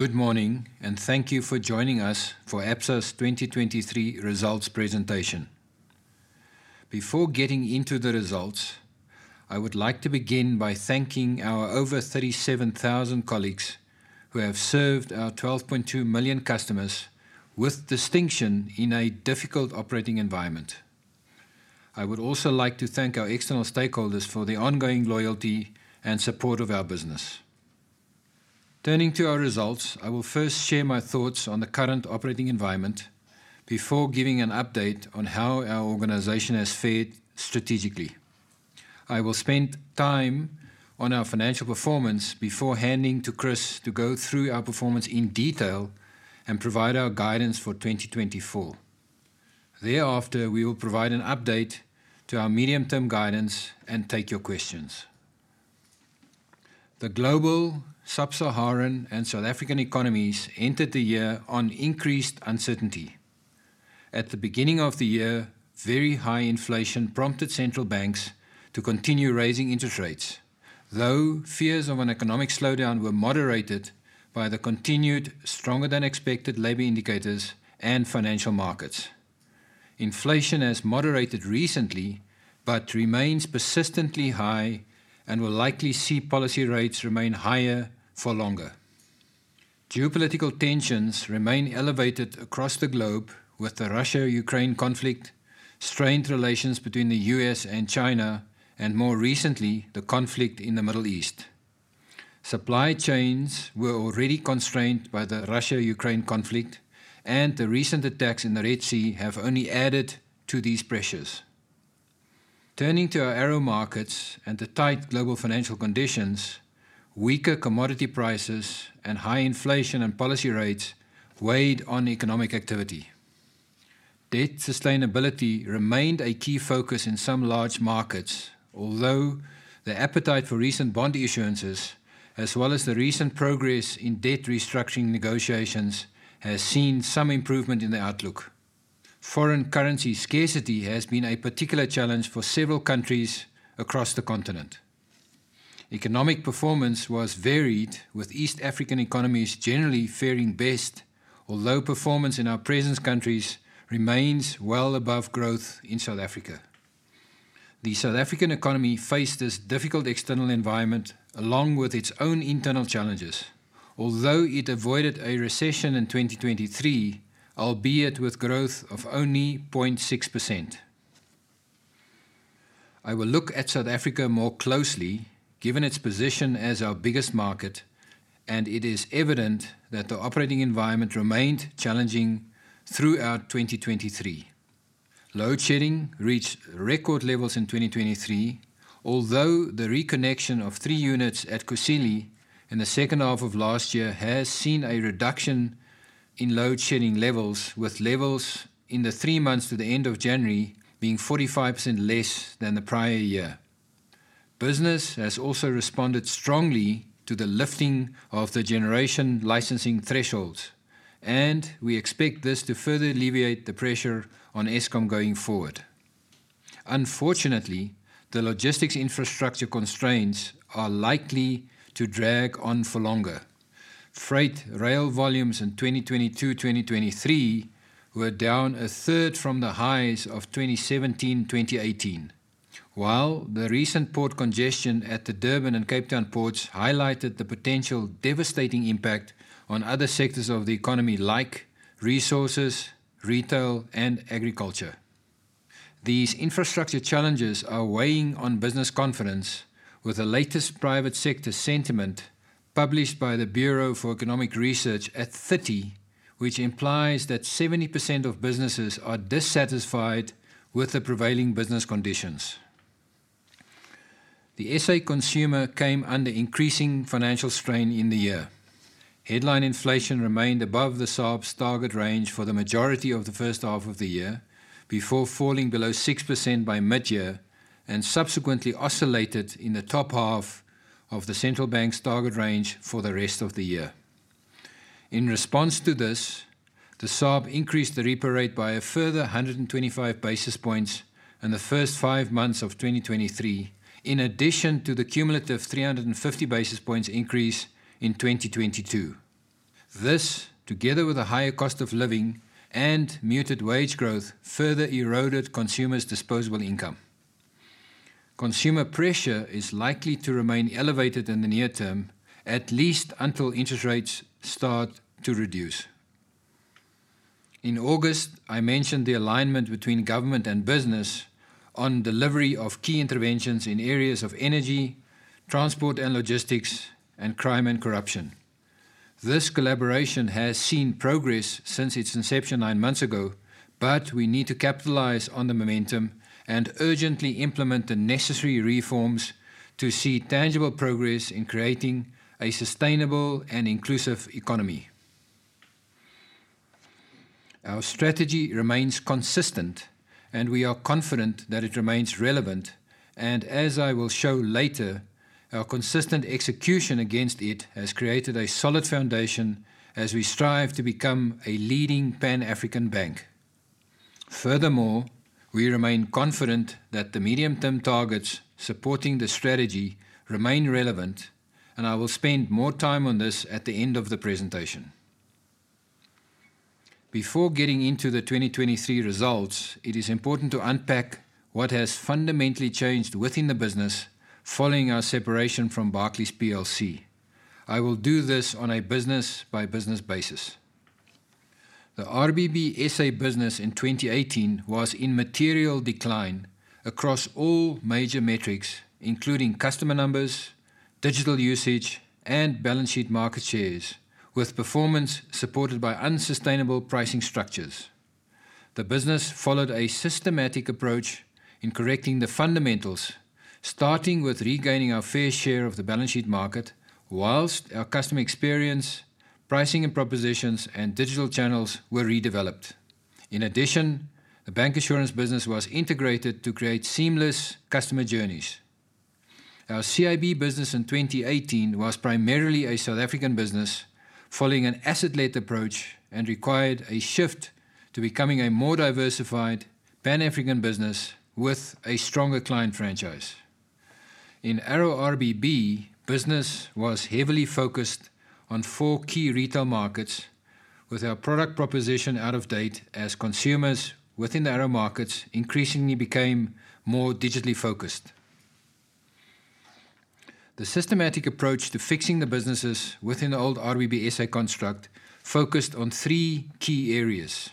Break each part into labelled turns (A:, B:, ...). A: Good morning, and thank you for joining us for Absa's 2023 results presentation. Before getting into the results, I would like to begin by thanking our over 37,000 colleagues who have served our 12.2 million customers with distinction in a difficult operating environment. I would also like to thank our external stakeholders for the ongoing loyalty and support of our business. Turning to our results, I will first share my thoughts on the current operating environment before giving an update on how our organization has fared strategically. I will spend time on our financial performance before handing to Chris to go through our performance in detail and provide our guidance for 2024. Thereafter, we will provide an update to our medium-term guidance and take your questions. The global sub-Saharan and South African economies entered the year on increased uncertainty. At the beginning of the year, very high inflation prompted central banks to continue raising interest rates, though fears of an economic slowdown were moderated by the continued stronger than expected labor indicators and financial markets. Inflation has moderated recently, but remains persistently high and will likely see policy rates remain higher for longer. Geopolitical tensions remain elevated across the globe, with the Russia-Ukraine conflict, strained relations between the U.S. and China, and more recently, the conflict in the Middle East. Supply chains were already constrained by the Russia-Ukraine conflict, and the recent attacks in the Red Sea have only added to these pressures. Turning to our ARO markets and the tight global financial conditions, weaker commodity prices, and high inflation and policy rates weighed on economic activity. Debt sustainability remained a key focus in some large markets, although the appetite for recent bond issuances, as well as the recent progress in debt restructuring negotiations, has seen some improvement in the outlook. Foreign currency scarcity has been a particular challenge for several countries across the continent. Economic performance was varied, with East African economies generally faring best, although performance in our presence countries remains well above growth in South Africa. The South African economy faced this difficult external environment along with its own internal challenges, although it avoided a recession in 2023, albeit with growth of only 0.6%. I will look at South Africa more closely, given its position as our biggest market, and it is evident that the operating environment remained challenging throughout 2023. Load shedding reached record levels in 2023, although the reconnection of 3 units at Kusile in the second half of last year has seen a reduction in load shedding levels, with levels in the three months to the end of January being 45% less than the prior year. Business has also responded strongly to the lifting of the generation licensing thresholds, and we expect this to further alleviate the pressure on Eskom going forward. Unfortunately, the logistics infrastructure constraints are likely to drag on for longer. Freight rail volumes in 2022-2023 were down a third from the highs of 2017-2018. While the recent port congestion at the Durban and Cape Town ports highlighted the potential devastating impact on other sectors of the economy like resources, retail, and agriculture. These infrastructure challenges are weighing on business confidence, with the latest private sector sentiment published by the Bureau for Economic Research at 30, which implies that 70% of businesses are dissatisfied with the prevailing business conditions. The SA consumer came under increasing financial strain in the year. Headline inflation remained above the SARB's target range for the majority of the first half of the year, before falling below 6% by mid-year and subsequently oscillated in the top half of the central bank's target range for the rest of the year. In response to this, the SARB increased the repo rate by a further 125 basis points in the first five months of 2023, in addition to the cumulative 350 basis points increase in 2022. This, together with a higher cost of living and muted wage growth, further eroded consumers' disposable income. Consumer pressure is likely to remain elevated in the near term, at least until interest rates start to reduce. In August, I mentioned the alignment between government and business on delivery of key interventions in areas of energy, transport and logistics, and crime and corruption. This collaboration has seen progress since its inception nine months ago, but we need to capitalize on the momentum and urgently implement the necessary reforms to see tangible progress in creating a sustainable and inclusive economy. Our strategy remains consistent, and we are confident that it remains relevant. As I will show later, our consistent execution against it has created a solid foundation as we strive to become a leading Pan-African bank. Furthermore, we remain confident that the medium-term targets supporting the strategy remain relevant, and I will spend more time on this at the end of the presentation. Before getting into the 2023 results, it is important to unpack what has fundamentally changed within the business following our separation from Barclays PLC. I will do this on a business-by-business basis. The RBB SA business in 2018 was in material decline across all major metrics, including customer numbers, digital usage, and balance sheet market shares, with performance supported by unsustainable pricing structures. The business followed a systematic approach in correcting the fundamentals, starting with regaining our fair share of the balance sheet market while our customer experience, pricing and propositions, and digital channels were redeveloped. In addition, the bancassurance business was integrated to create seamless customer journeys. Our CIB business in 2018 was primArriely a South African business, following an asset-led approach, and required a shift to becoming a more diversified Pan-African business with a stronger client franchise. In ARO RBB, business was heavily focused on four key retail markets, with our product proposition out of date as consumers within the ARO markets increasingly became more digitally focused. The systematic approach to fixing the businesses within the old RBB SA construct focused on three key areas.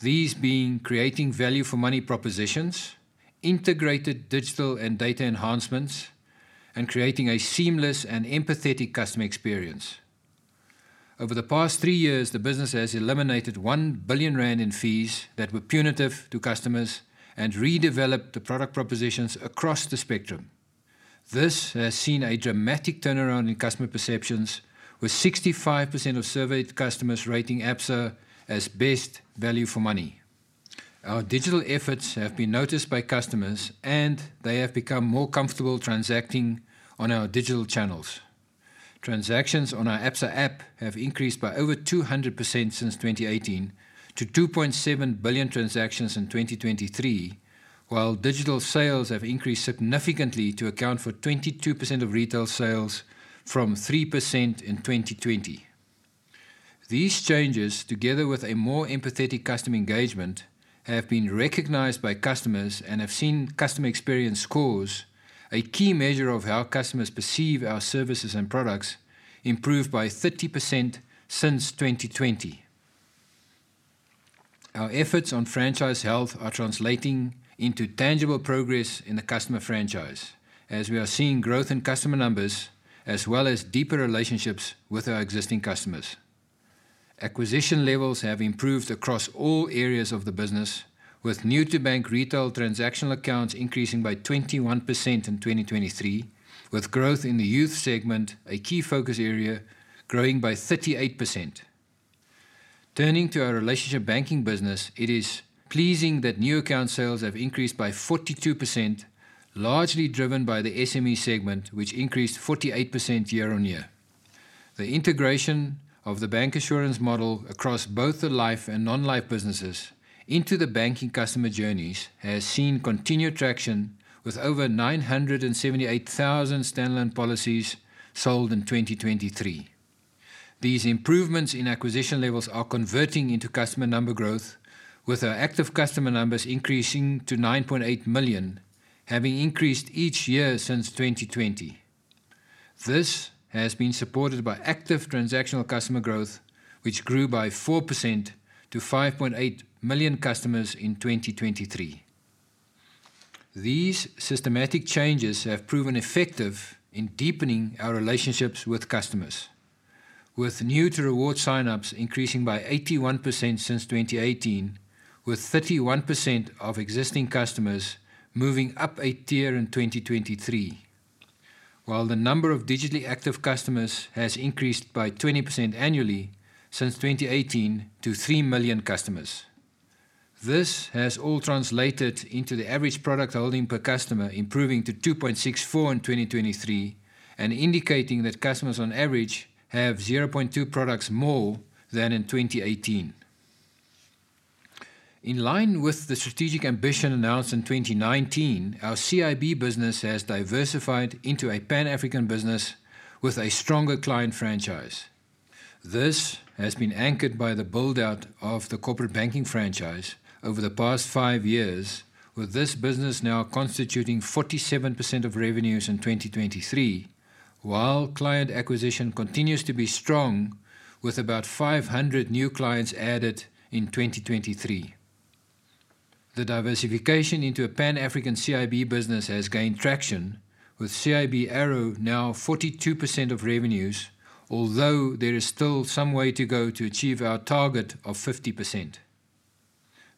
A: These being creating value for money propositions, integrated digital and data enhancements, and creating a seamless and empathetic customer experience. Over the past three years, the business has eliminated 1 billion rand in fees that were punitive to customers and redeveloped the product propositions across the spectrum. This has seen a dramatic turnaround in customer perceptions, with 65% of surveyed customers rating Absa as best value for money. Our digital efforts have been noticed by customers, and they have become more comfortable transacting on our digital channels. Transactions on our Absa app have increased by over 200% since 2018 to 2.7 billion transactions in 2023, while digital sales have increased significantly to account for 22% of retail sales from 3% in 2020. These changes, together with a more empathetic customer engagement, have been recognized by customers and have seen customer experience scores, a key measure of how customers perceive our services and products, improved by 30% since 2020. Our efforts on franchise health are translating into tangible progress in the customer franchise, as we are seeing growth in customer numbers as well as deeper relationships with our existing customers. Acquisition levels have improved across all areas of the business, with new to bank retail transactional accounts increasing by 21% in 2023, with growth in the youth segment, a key focus area, growing by 38%. Turning to our Relationship Banking business, it is pleasing that new account sales have increased by 42%, largely driven by the SME segment, which increased 48% year-on-year. The integration of the bancassurance model across both the life and non-life businesses into the banking customer journeys has seen continued traction, with over 978,000 standalone policies sold in 2023. These improvements in acquisition levels are converting into customer number growth, with our active customer numbers increasing to 9.8 million, having increased each year since 2020. This has been supported by active transactional customer growth, which grew by 4% to 5.8 million customers in 2023. These systematic changes have proven effective in deepening our relationships with customers, with new to reward sign-ups increasing by 81% since 2018, with 31% of existing customers moving up a tier in 2023. While the number of digitally active customers has increased by 20% annually since 2018 to 3 million customers. This has all translated into the average product holding per customer, improving to 2.64 in 2023 and indicating that customers, on average, have 0.2 products more than in 2018. In line with the strategic ambition announced in 2019, our CIB business has diversified into a Pan-African business with a stronger client franchise. This has been anchored by the build-out of the corporate banking franchise over the past five years, with this business now constituting 47% of revenues in 2023, while client acquisition continues to be strong, with about 500 new clients added in 2023. The diversification into a Pan-African CIB business has gained traction, with CIB ARO now 42% of revenues, although there is still some way to go to achieve our target of 50%.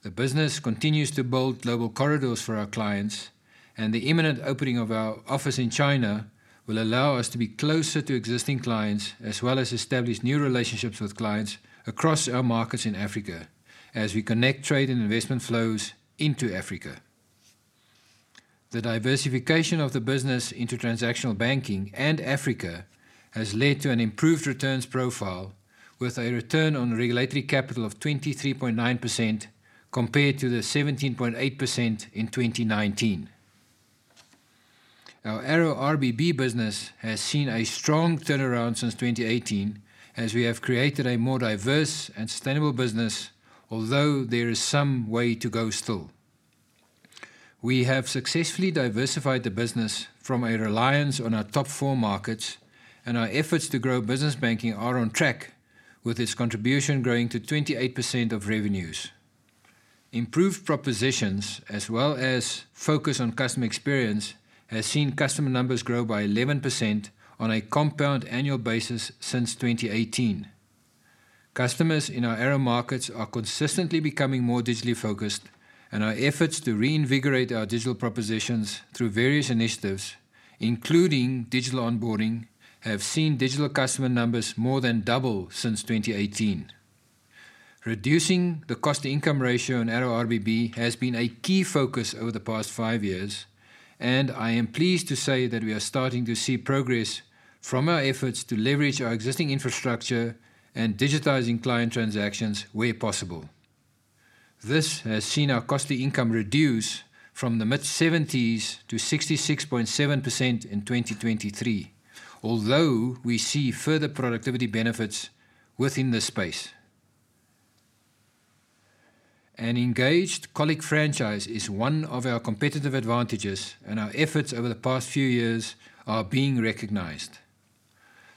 A: The business continues to build global corridors for our clients, and the imminent opening of our office in China will allow us to be closer to existing clients, as well as establish new relationships with clients across our markets in Africa as we connect trade and investment flows into Africa. The diversification of the business into transactional banking and Africa has led to an improved returns profile, with a return on regulatory capital of 23.9% compared to the 17.8% in 2019. Our ARO RBB business has seen a strong turnaround since 2018, as we have created a more diverse and sustainable business, although there is some way to go still. We have successfully diversified the business from a reliance on our top four markets, and our efforts to grow business banking are on track, with its contribution growing to 28% of revenues. Improved propositions, as well as focus on customer experience, has seen customer numbers grow by 11% on a compound annual basis since 2018. Customers in our ARO markets are consistently becoming more digitally focused, and our efforts to reinvigorate our digital propositions through vArrieous initiatives, including digital onboarding, have seen digital customer numbers more than double since 2018. Reducing the cost-to-income ratio in ARO RBB has been a key focus over the past 5 years, and I am pleased to say that we are starting to see progress from our efforts to leverage our existing infrastructure and digitizing client transactions where possible. This has seen our cost-to-income reduce from the mid-70s to 66.7% in 2023, although we see further productivity benefits within this space. An engaged colleague franchise is one of our competitive advantages, and our efforts over the past few years are being recognized.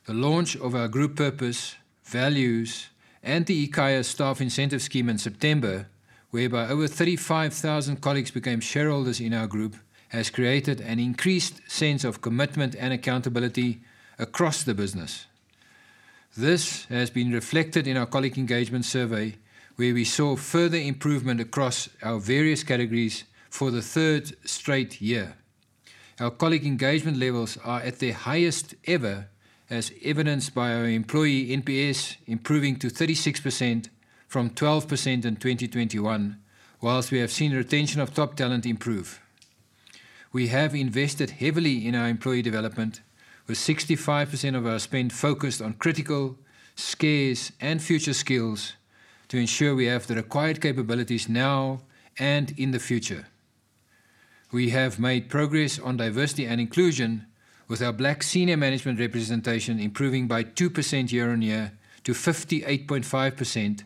A: The launch of our group purpose, values, and the eKhaya staff incentive scheme in September, whereby over 35,000 colleagues became shareholders in our group, has created an increased sense of commitment and accountability across the business. This has been reflected in our colleague engagement survey, where we saw further improvement across our vArrieous categories for the third straight year. Our colleague engagement levels are at their highest ever, as evidenced by our employee NPS improving to 36% from 12% in 2021, whilst we have seen retention of top talent improve. We have invested heavily in our employee development, with 65% of our spend focused on critical, scarce, and future skills to ensure we have the required capabilities now and in the future. We have made progress on diversity and inclusion, with our Black senior management representation improving by 2% year-on-year to 58.5%,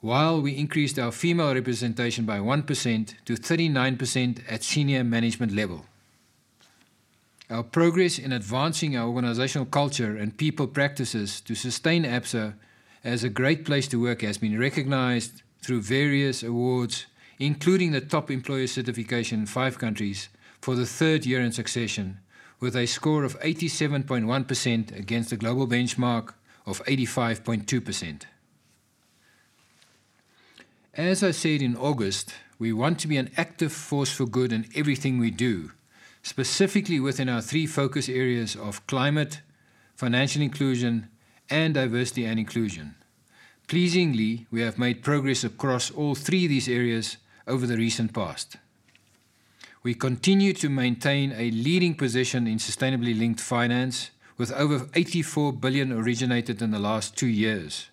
A: while we increased our female representation by 1% to 39% at senior management level. Our progress in advancing our organizational culture and people practices to sustain Absa as a great place to work has been recognized through various awards, including the Top Employer Certification in five countries for the third year in succession, with a score of 87.1% against a global benchmark of 85.2%. As I said in August, we want to be an active force for good in everything we do, specifically within our three focus areas of climate, financial inclusion, and diversity and inclusion. Pleasingly, we have made progress across all three of these areas over the recent past. We continue to maintain a leading position in sustainably linked finance, with over 84 billion originated in the last two years.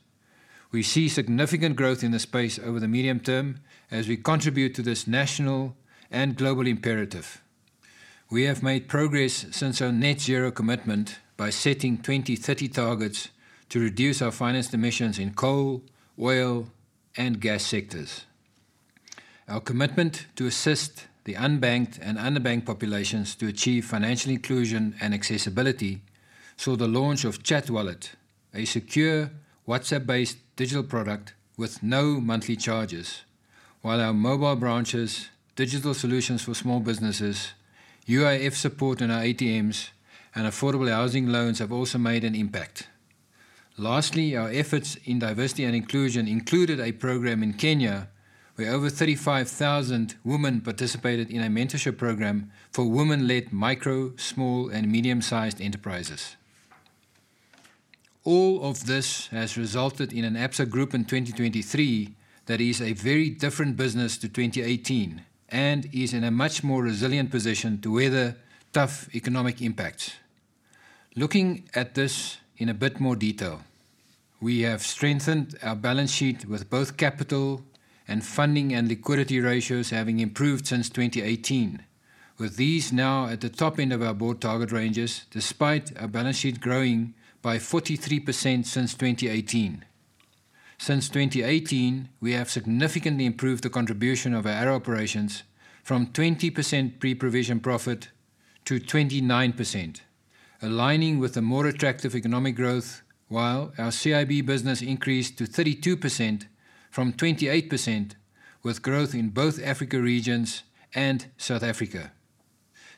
A: We see significant growth in this space over the medium term as we contribute to this national and global imperative. We have made progress since our net zero commitment by setting 2030 targets to reduce our financed emissions in coal, oil, and gas sectors. Our commitment to assist the unbanked and underbanked populations to achieve financial inclusion and accessibility saw the launch of ChatWallet, a secure WhatsApp-based digital product with no monthly charges, while our mobile branches, digital solutions for small businesses, UIF support on our ATMs, and affordable housing loans have also made an impact. Lastly, our efforts in diversity and inclusion included a program in Kenya, where over 35,000 women participated in a mentorship program for women-led micro, small, and medium-sized enterprises. All of this has resulted in an Absa Group in 2023 that is a very different business to 2018 and is in a much more resilient position to weather tough economic impacts. Looking at this in a bit more detail, we have strengthened our balance sheet with both capital and funding and liquidity ratios having improved since 2018, with these now at the top end of our board target ranges, despite our balance sheet growing by 43% since 2018. Since 2018, we have significantly improved the contribution of our ARO operations from 20% pre-provision profit to 29%, aligning with the more attractive economic growth, while our CIB business increased to 32% from 28%, with growth in both Africa Regions and South Africa.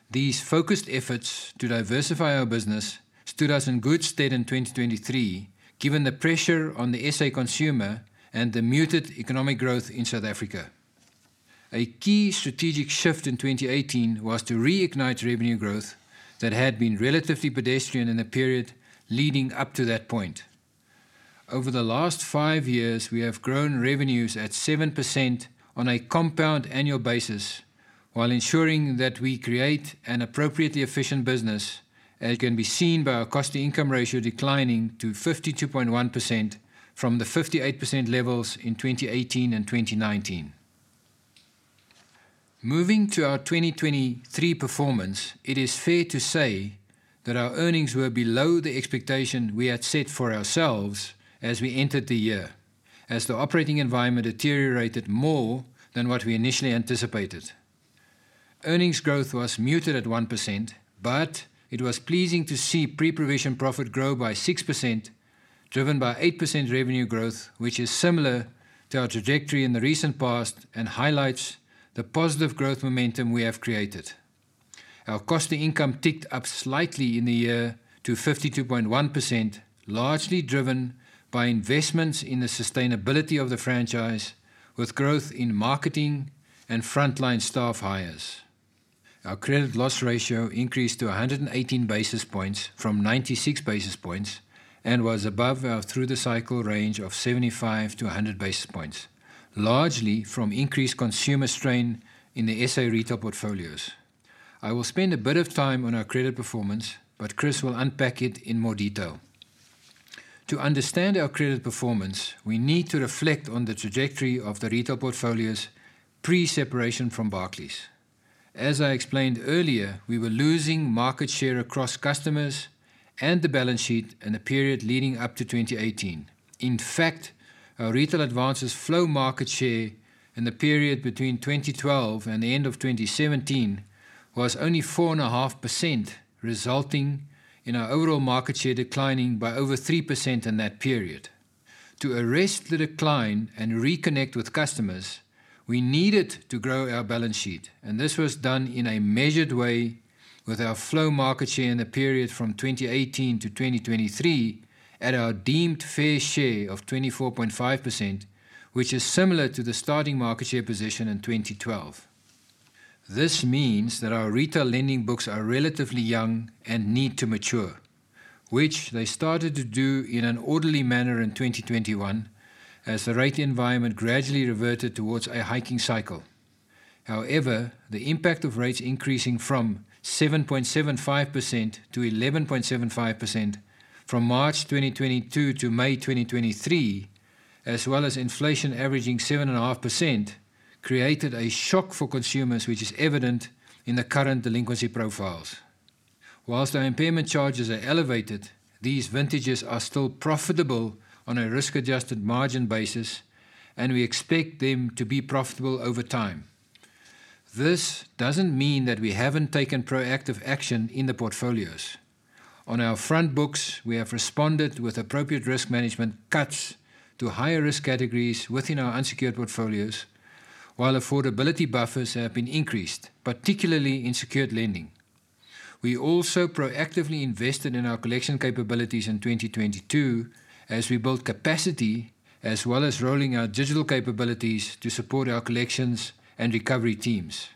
A: These focused efforts to diversify our business stood us in good stead in 2023, given the pressure on the SA consumer and the muted economic growth in South Africa. A key strategic shift in 2018 was to reignite revenue growth that had been relatively pedestrian in the period leading up to that point.... Over the last five years, we have grown revenues at 7% on a compound annual basis, while ensuring that we create an appropriately efficient business, as can be seen by our cost-to-income ratio declining to 52.1% from the 58% levels in 2018 and 2019. Moving to our 2023 performance, it is fair to say that our earnings were below the expectation we had set for ourselves as we entered the year, as the operating environment deteriorated more than what we initially anticipated. Earnings growth was muted at 1%, but it was pleasing to see pre-provision profit grow by 6%, driven by 8% revenue growth, which is similar to our trajectory in the recent past and highlights the positive growth momentum we have created. Our cost to income ticked up slightly in the year to 52.1%, largely driven by investments in the sustainability of the franchise, with growth in marketing and frontline staff hires. Our credit loss ratio increased to 118 basis points from 96 basis points and was above our through-the-cycle range of 75-100 basis points, largely from increased consumer strain in the SA retail portfolios. I will spend a bit of time on our credit performance, but Chris will unpack it in more detail. To understand our credit performance, we need to reflect on the trajectory of the retail portfolios pre-separation from Barclays. As I explained earlier, we were losing market share across customers and the balance sheet in the period leading up to 2018. In fact, our retail advances flow market share in the period between 2012 and the end of 2017 was only 4.5%, resulting in our overall market share declining by over 3% in that period. To arrest the decline and reconnect with customers, we needed to grow our balance sheet, and this was done in a measured way with our flow market share in the period from 2018 to 2023 at our deemed fair share of 24.5%, which is similar to the starting market share position in 2012. This means that our retail lending books are relatively young and need to mature, which they started to do in an orderly manner in 2021 as the rate environment gradually reverted towards a hiking cycle. However, the impact of rates increasing from 7.75% to 11.75% from March 2022 to May 2023, as well as inflation averaging 7.5%, created a shock for consumers, which is evident in the current delinquency profiles. Whilst our impairment charges are elevated, these vintages are still profitable on a risk-adjusted margin basis, and we expect them to be profitable over time. This doesn't mean that we haven't taken proactive action in the portfolios. On our front books, we have responded with appropriate risk management cuts to higher risk categories within our unsecured portfolios, while affordability buffers have been increased, particularly in secured lending. We also proactively invested in our collection capabilities in 2022 as we built capacity, as well as rolling out digital capabilities to support our collections and recovery teams.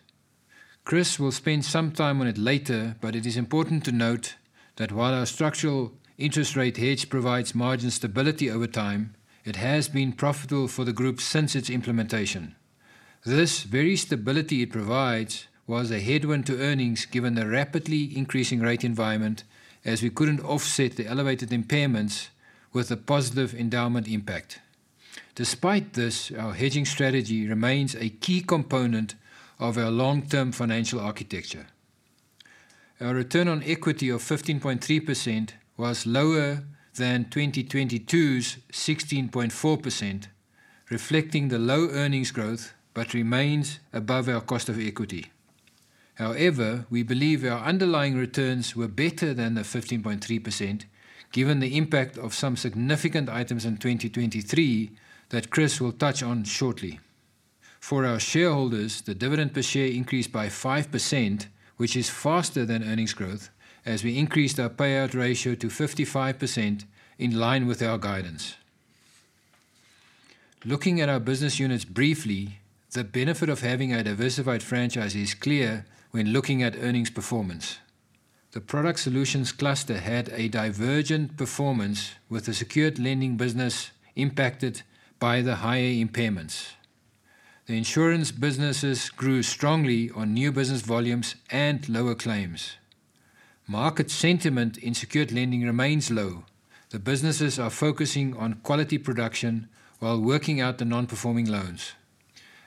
A: Chris will spend some time on it later, but it is important to note that while our structural interest rate hedge provides margin stability over time, it has been profitable for the group since its implementation. This very stability it provides was a headwind to earnings, given the rapidly increasing rate environment as we couldn't offset the elevated impairments with the positive endowment impact. Despite this, our hedging strategy remains a key component of our long-term financial architecture. Our return on equity of 15.3% was lower than 2022's 16.4%, reflecting the low earnings growth, but remains above our cost of equity. However, we believe our underlying returns were better than the 15.3%, given the impact of some significant items in 2023 that Chris will touch on shortly. For our shareholders, the dividend per share increased by 5%, which is faster than earnings growth, as we increased our payout ratio to 55% in line with our guidance. Looking at our business units briefly, the benefit of having a diversified franchise is clear when looking at earnings performance. The Product Solutions Cluster had a divergent performance, with the secured lending business impacted by the higher impairments. The insurance businesses grew strongly on new business volumes and lower claims. Market sentiment in secured lending remains low. The businesses are focusing on quality production while working out the non-performing loans.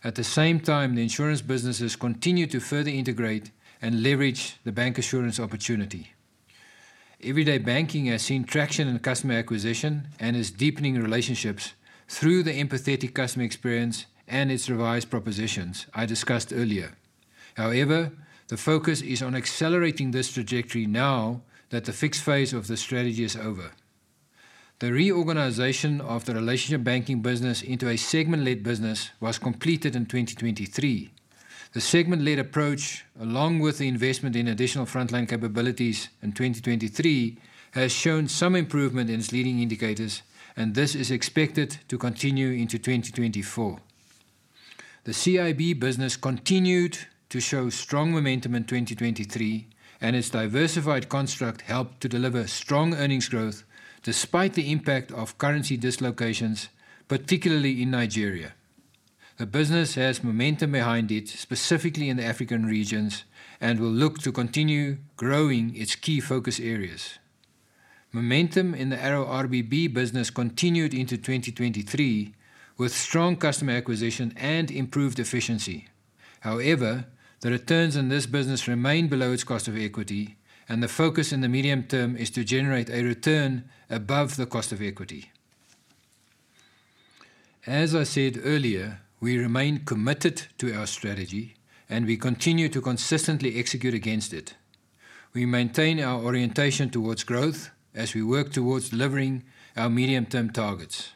A: At the same time, the insurance businesses continue to further integrate and leverage the bancassurance opportunity. Everyday Banking has seen traction in customer acquisition and is deepening relationships through the empathetic customer experience and its revised propositions I discussed earlier. However, the focus is on accelerating this trajectory now that the fixed phase of the strategy is over. The reorganization of the Relationship Banking business into a segment-led business was completed in 2023. The segment-led approach, along with the investment in additional frontline capabilities in 2023, has shown some improvement in its leading indicators, and this is expected to continue into 2024.... The CIB business continued to show strong momentum in 2023, and its diversified construct helped to deliver strong earnings growth despite the impact of currency dislocations, particularly in Nigeria. The business has momentum behind it, specifically in the Africa Regions, and will look to continue growing its key focus areas. Momentum in the ARO RBB business continued into 2023, with strong customer acquisition and improved efficiency. However, the returns in this business remain below its cost of equity, and the focus in the medium term is to generate a return above the cost of equity. As I said earlier, we remain committed to our strategy, and we continue to consistently execute against it. We maintain our orientation towards growth as we work towards delivering our medium-term targets.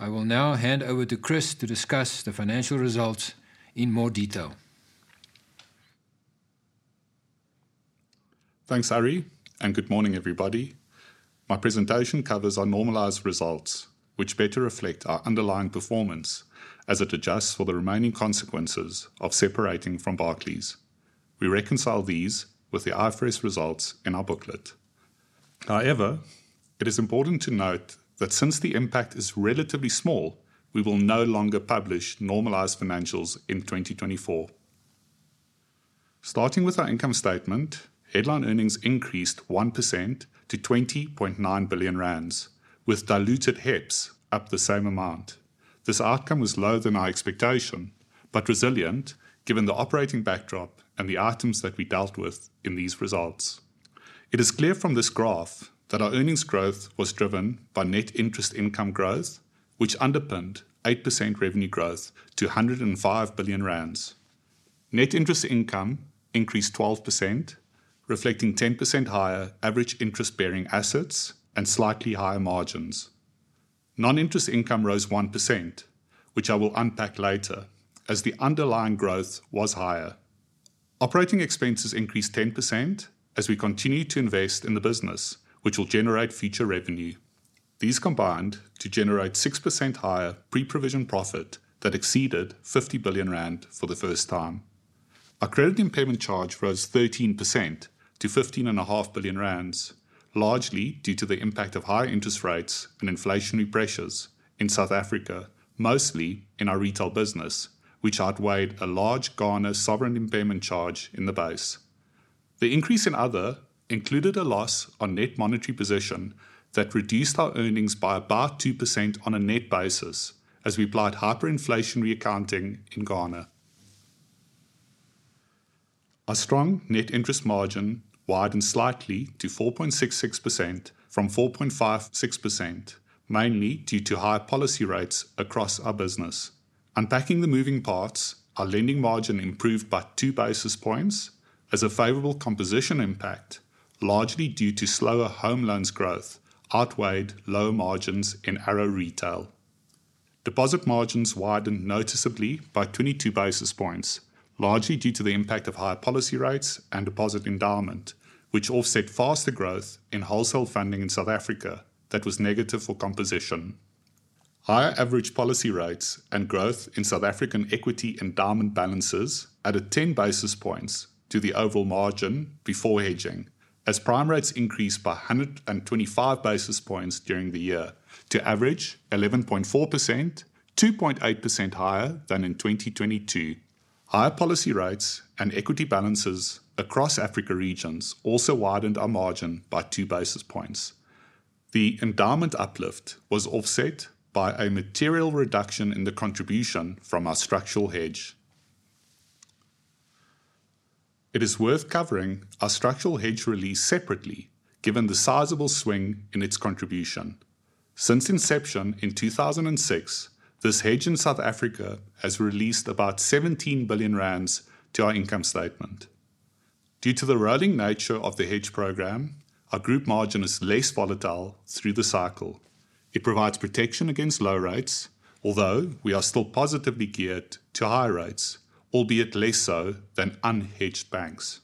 A: I will now hand over to Chris to discuss the financial results in more detail.
B: Thanks, Arrie, and good morning, everybody. My presentation covers our normalized results, which better reflect our underlying performance as it adjusts for the remaining consequences of separating from Barclays. We reconcile these with the IFRS results in our booklet. However, it is important to note that since the impact is relatively small, we will no longer publish normalized financials in 2024. Starting with our income statement, headline earnings increased 1% to 20.9 billion rand, with diluted HEPS up the same amount. This outcome was lower than our expectation, but resilient given the operating backdrop and the items that we dealt with in these results. It is clear from this graph that our earnings growth was driven by net interest income growth, which underpinned 8% revenue growth to 105 billion rand. Net interest income increased 12%, reflecting 10% higher average interest-bearing assets and slightly higher margins. Non-interest income rose 1%, which I will unpack later, as the underlying growth was higher. Operating expenses increased 10% as we continued to invest in the business, which will generate future revenue. These combined to generate 6% higher pre-provision profit that exceeded 50 billion rand for the first time. Our credit impairment charge rose 13% to 15.5 billion rand, largely due to the impact of higher interest rates and inflationary pressures in South Africa, mostly in our retail business, which outweighed a large Ghana sovereign impairment charge in the base. The increase in other included a loss on net monetary position that reduced our earnings by about 2% on a net basis as we applied hyperinflationary accounting in Ghana. Our strong net interest margin widened slightly to 4.66% from 4.56%, mainly due to higher policy rates across our business. Unpacking the moving parts, our lending margin improved by 2 basis points as a favorable composition impact, largely due to slower home loans growth, outweighed lower margins in ARO Retail. Deposit margins widened noticeably by 22 basis points, largely due to the impact of higher policy rates and deposit endowment, which offset faster growth in wholesale funding in South Africa that was negative for composition. Higher average policy rates and growth in South African equity endowment balances added 10 basis points to the overall margin before hedging, as prime rates increased by 125 basis points during the year to average 11.4%, 2.8% higher than in 2022. Higher policy rates and equity balances across Africa Regions also widened our margin by 2 basis points. The endowment uplift was offset by a material reduction in the contribution from our structural hedge. It is worth covering our structural hedge release separately, given the sizable swing in its contribution. Since inception in 2006, this hedge in South Africa has released about 17 billion rand to our income statement. Due to the rolling nature of the hedge program, our group margin is less volatile through the cycle. It provides protection against low rates, although we are still positively geared to higher rates, albeit less so than unhedged banks.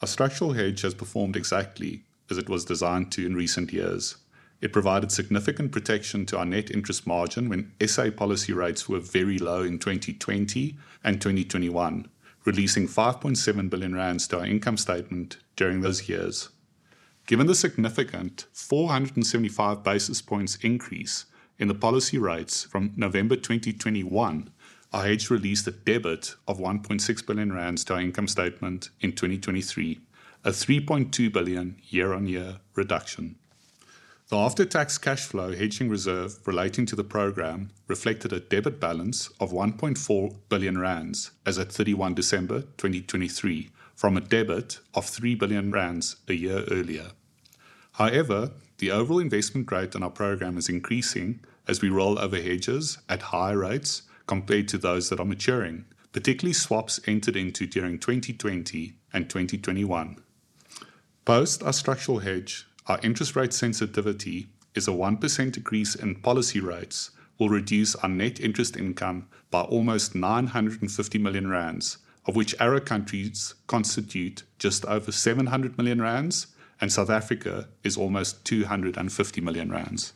B: Our structural hedge has performed exactly as it was designed to in recent years. It provided significant protection to our net interest margin when SA policy rates were very low in 2020 and 2021, releasing 5.7 billion rand to our income statement during those years. Given the significant 475 basis points increase in the policy rates from November 2021, our hedge released a debit of 1.6 billion rand to our income statement in 2023, a 3.2 billion year-on-year reduction. The after-tax cash flow hedging reserve relating to the program reflected a debit balance of 1.4 billion rand as at 31 December 2023, from a debit of 3 billion rand a year earlier. However, the overall investment grade on our program is increasing as we roll over hedges at higher rates co mpared to those that are maturing, particularly swaps entered into during 2020 and 2021. Post our structural hedge, our interest rate sensitivity is a 1% decrease in policy rates will reduce our net interest income by almost 950 million rand, of which ARO countries constitute just over 700 million rand, and South Africa is almost 250 million rand.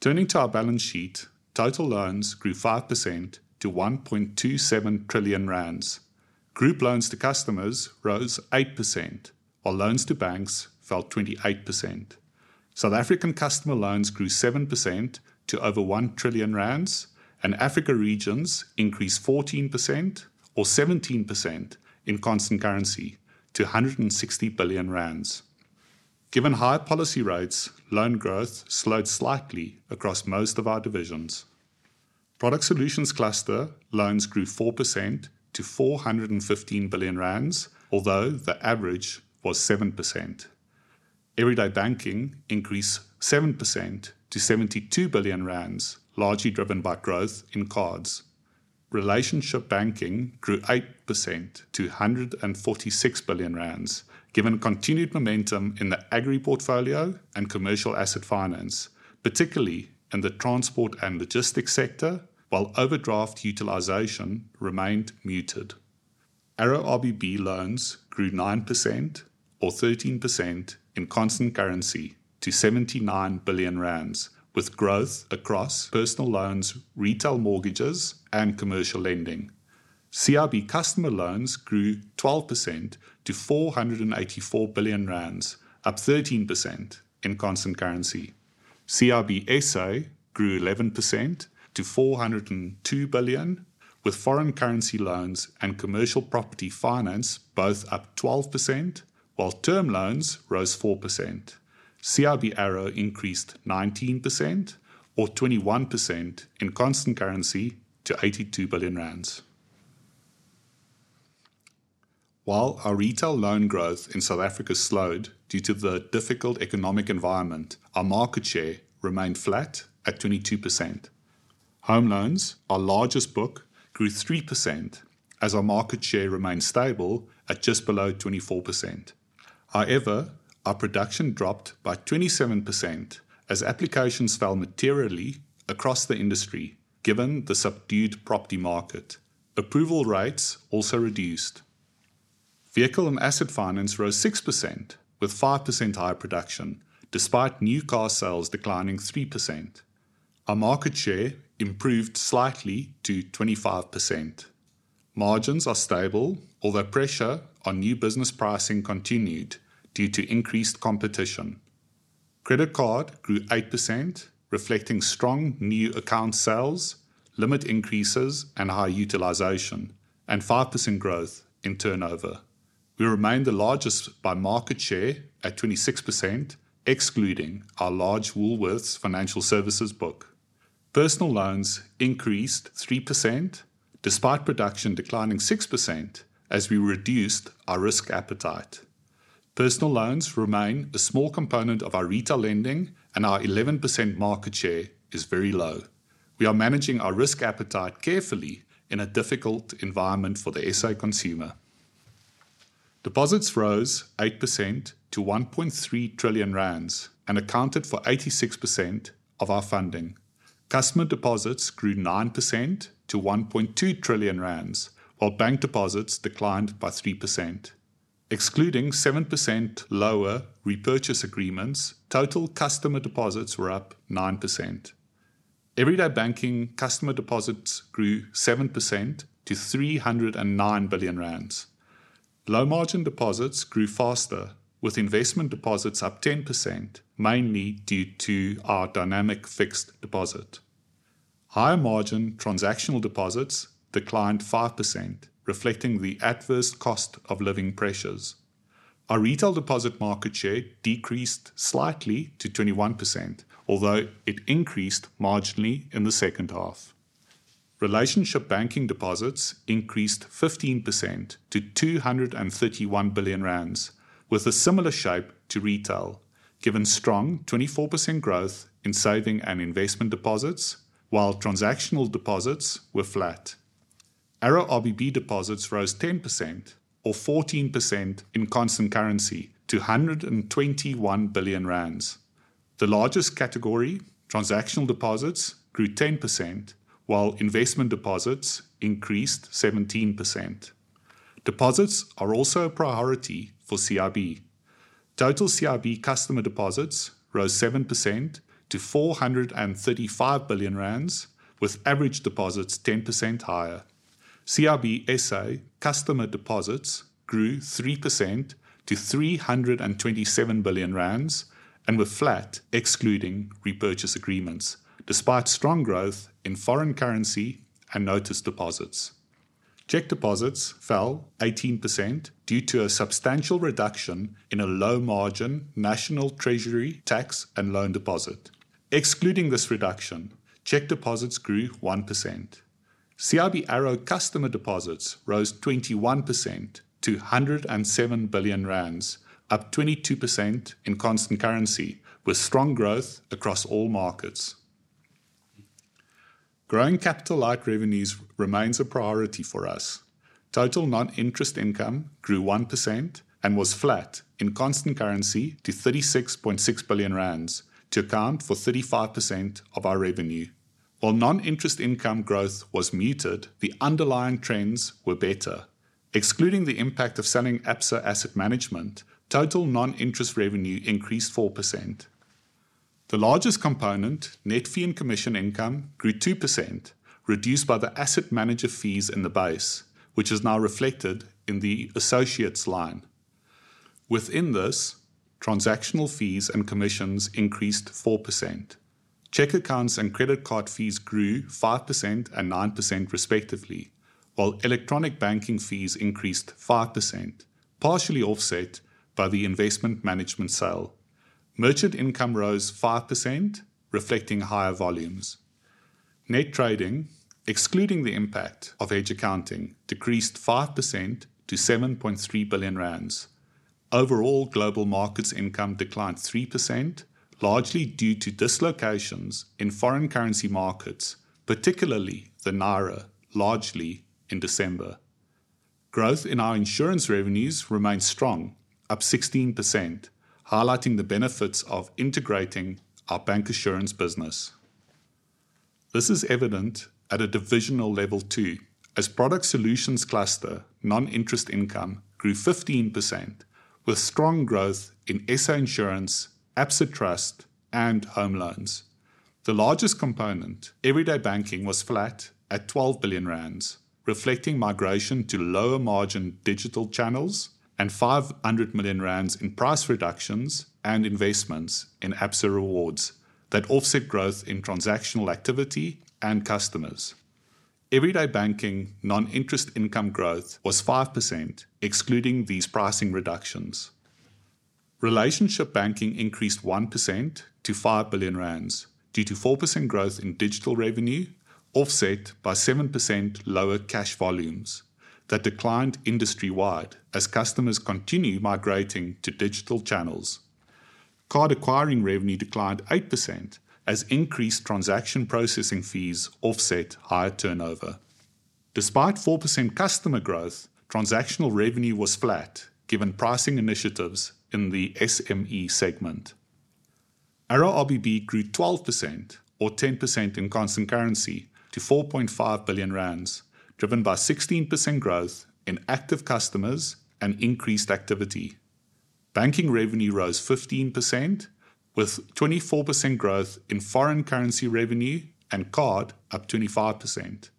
B: Turning to our balance sheet, total loans grew 5% to 1.27 trillion rand. Group loans to customers rose 8%, while loans to banks fell 28%. South African customer loans grew 7% to over 1 trillion rand, and Africa Regions increased 14% or 17% in constant currency to 160 billion rand. Given high policy rates, loan growth slowed slightly across most of our divisions. Product Solutions Cluster loans grew 4% to 415 billion rand, although the average was 7%. Everyday Banking increased 7% to 72 billion rand, largely driven by growth in Cards. Relationship Banking grew 8% to 146 billion rand, given continued momentum in the agri portfolio and commercial asset finance, particularly in the transport and logistics sector, while overdraft utilization remained muted. ARO RBB loans grew 9% or 13% in constant currency to 79 billion rand, with growth across Personal Loans, retail mortgages, and commercial lending. CIB customer loans grew 12% to 484 billion rand, up 13% in constant currency. CIB SA grew 11% to 402 billion, with foreign currency loans and Commercial Property Finance both up 12%, while term loans rose 4%. CIB ARO increased 19% or 21% in constant currency to 82 billion rand. While our retail loan growth in South Africa slowed due to the difficult economic environment, our market share remained flat at 22%. Home loans, our largest book, grew 3% as our market share remained stable at just below 24%. However, our production dropped by 27% as applications fell materially across the industry, given the subdued property market. Approval rates also reduced. Vehicle and Asset Finance rose 6%, with 5% higher production, despite new car sales declining 3%. Our market share improved slightly to 25%. Margins are stable, although pressure on new business pricing continued due to increased competition. Credit card grew 8%, reflecting strong new account sales, limit increases, and higher utilisation, and 5% growth in turnover. We remain the largest by market share at 26%, excluding our large Woolworths Financial Services book. Personal Loans increased 3%, despite production declining 6% as we reduced our risk appetite. Personal Loans remain a small component of our retail lending, and our 11% market share is very low. We are managing our risk appetite carefully in a difficult environment for the SA consumer. Deposits rose 8% to 1.3 trillion rand and accounted for 86% of our funding. Customer deposits grew 9% to 1.2 trillion rand, while bank deposits declined by 3%. Excluding 7% lower repurchase agreements, total customer deposits were up 9%. Everyday Banking customer deposits grew 7% to 309 billion rand. Low-margin deposits grew faster, with investment deposits up 10%, mainly due to our Dynamic Fixed Deposit. Higher-margin transactional deposits declined 5%, reflecting the adverse cost of living pressures. Our retail deposit market share decreased slightly to 21%, although it increased marginally in the second half. Relationship Banking deposits increased 15% to 231 billion rand, with a similar shape to retail, given strong 24% growth in saving and investment deposits, while transactional deposits were flat. ARO RBB deposits rose 10% or 14% in constant currency to 121 billion rand. The largest category, transactional deposits, grew 10%, while investment deposits increased 17%. Deposits are also a priority for CIB. Total CIB customer deposits rose 7% to 435 billion rand, with average deposits 10% higher. CIB SA customer deposits grew 3% to 327 billion rand and were flat, excluding repurchase agreements, despite strong growth in foreign currency and notice deposits. cheque deposits fell 18% due to a substantial reduction in a low-margin National Treasury tax and loan deposit. Excluding this reduction, cheque deposits grew 1%. CIB ARO customer deposits rose 21% to 107 billion rand, up 22% in constant currency, with strong growth across all markets. Growing capital-light revenues remains a priority for us. Total non-interest income grew 1% and was flat in constant currency to 36.6 billion rand, to account for 35% of our revenue. While non-interest income growth was muted, the underlying trends were better. Excluding the impact of selling Absa Asset Management, total non-interest revenue increased 4%. The largest component, net fee and commission income, grew 2%, reduced by the asset manager fees in the base, which is now reflected in the associates line. Within this, transactional fees and commissions increased 4%. cheque accounts and credit Card fees grew 5% and 9% respectively, while electronic banking fees increased 5%, partially offset by the investment management sale. Merchant income rose 5%, reflecting higher volumes. Net trading, excluding the impact of hedge accounting, decreased 5% to 7.3 billion rand. Overall, Global Markets income declined 3%, largely due to dislocations in foreign currency markets, particularly the naira, largely in December. Growth in our insurance revenues remained strong, up 16%, highlighting the benefits of integrating our bancansurance business. This is evident at a divisional level, too, as Product Solutions Cluster non-interest income grew 15%, with strong growth in SA Insurance, Absa Trust, and Home Loans. The largest component, Everyday Banking, was flat at 12 billion rand, reflecting migration to lower margin digital channels and 500 million rand in price reductions and investments in Absa Rewards that offset growth in transactional activity and customers. Everyday Banking non-interest income growth was 5%, excluding these pricing reductions. Relationship Banking increased 1% to 5 billion rand due to 4% growth in digital revenue, offset by 7% lower cash volumes that declined industry-wide as customers continue migrating to digital channels. Card acquiring revenue declined 8% as increased transaction processing fees offset higher turnover. Despite 4% customer growth, transactional revenue was flat given pricing initiatives in the SME segment. ARO RBB grew 12% or 10% in constant currency to 4.5 billion rand, driven by 16% growth in active customers and increased activity. Banking revenue rose 15%, with 24% growth in foreign currency revenue and Card up 25%.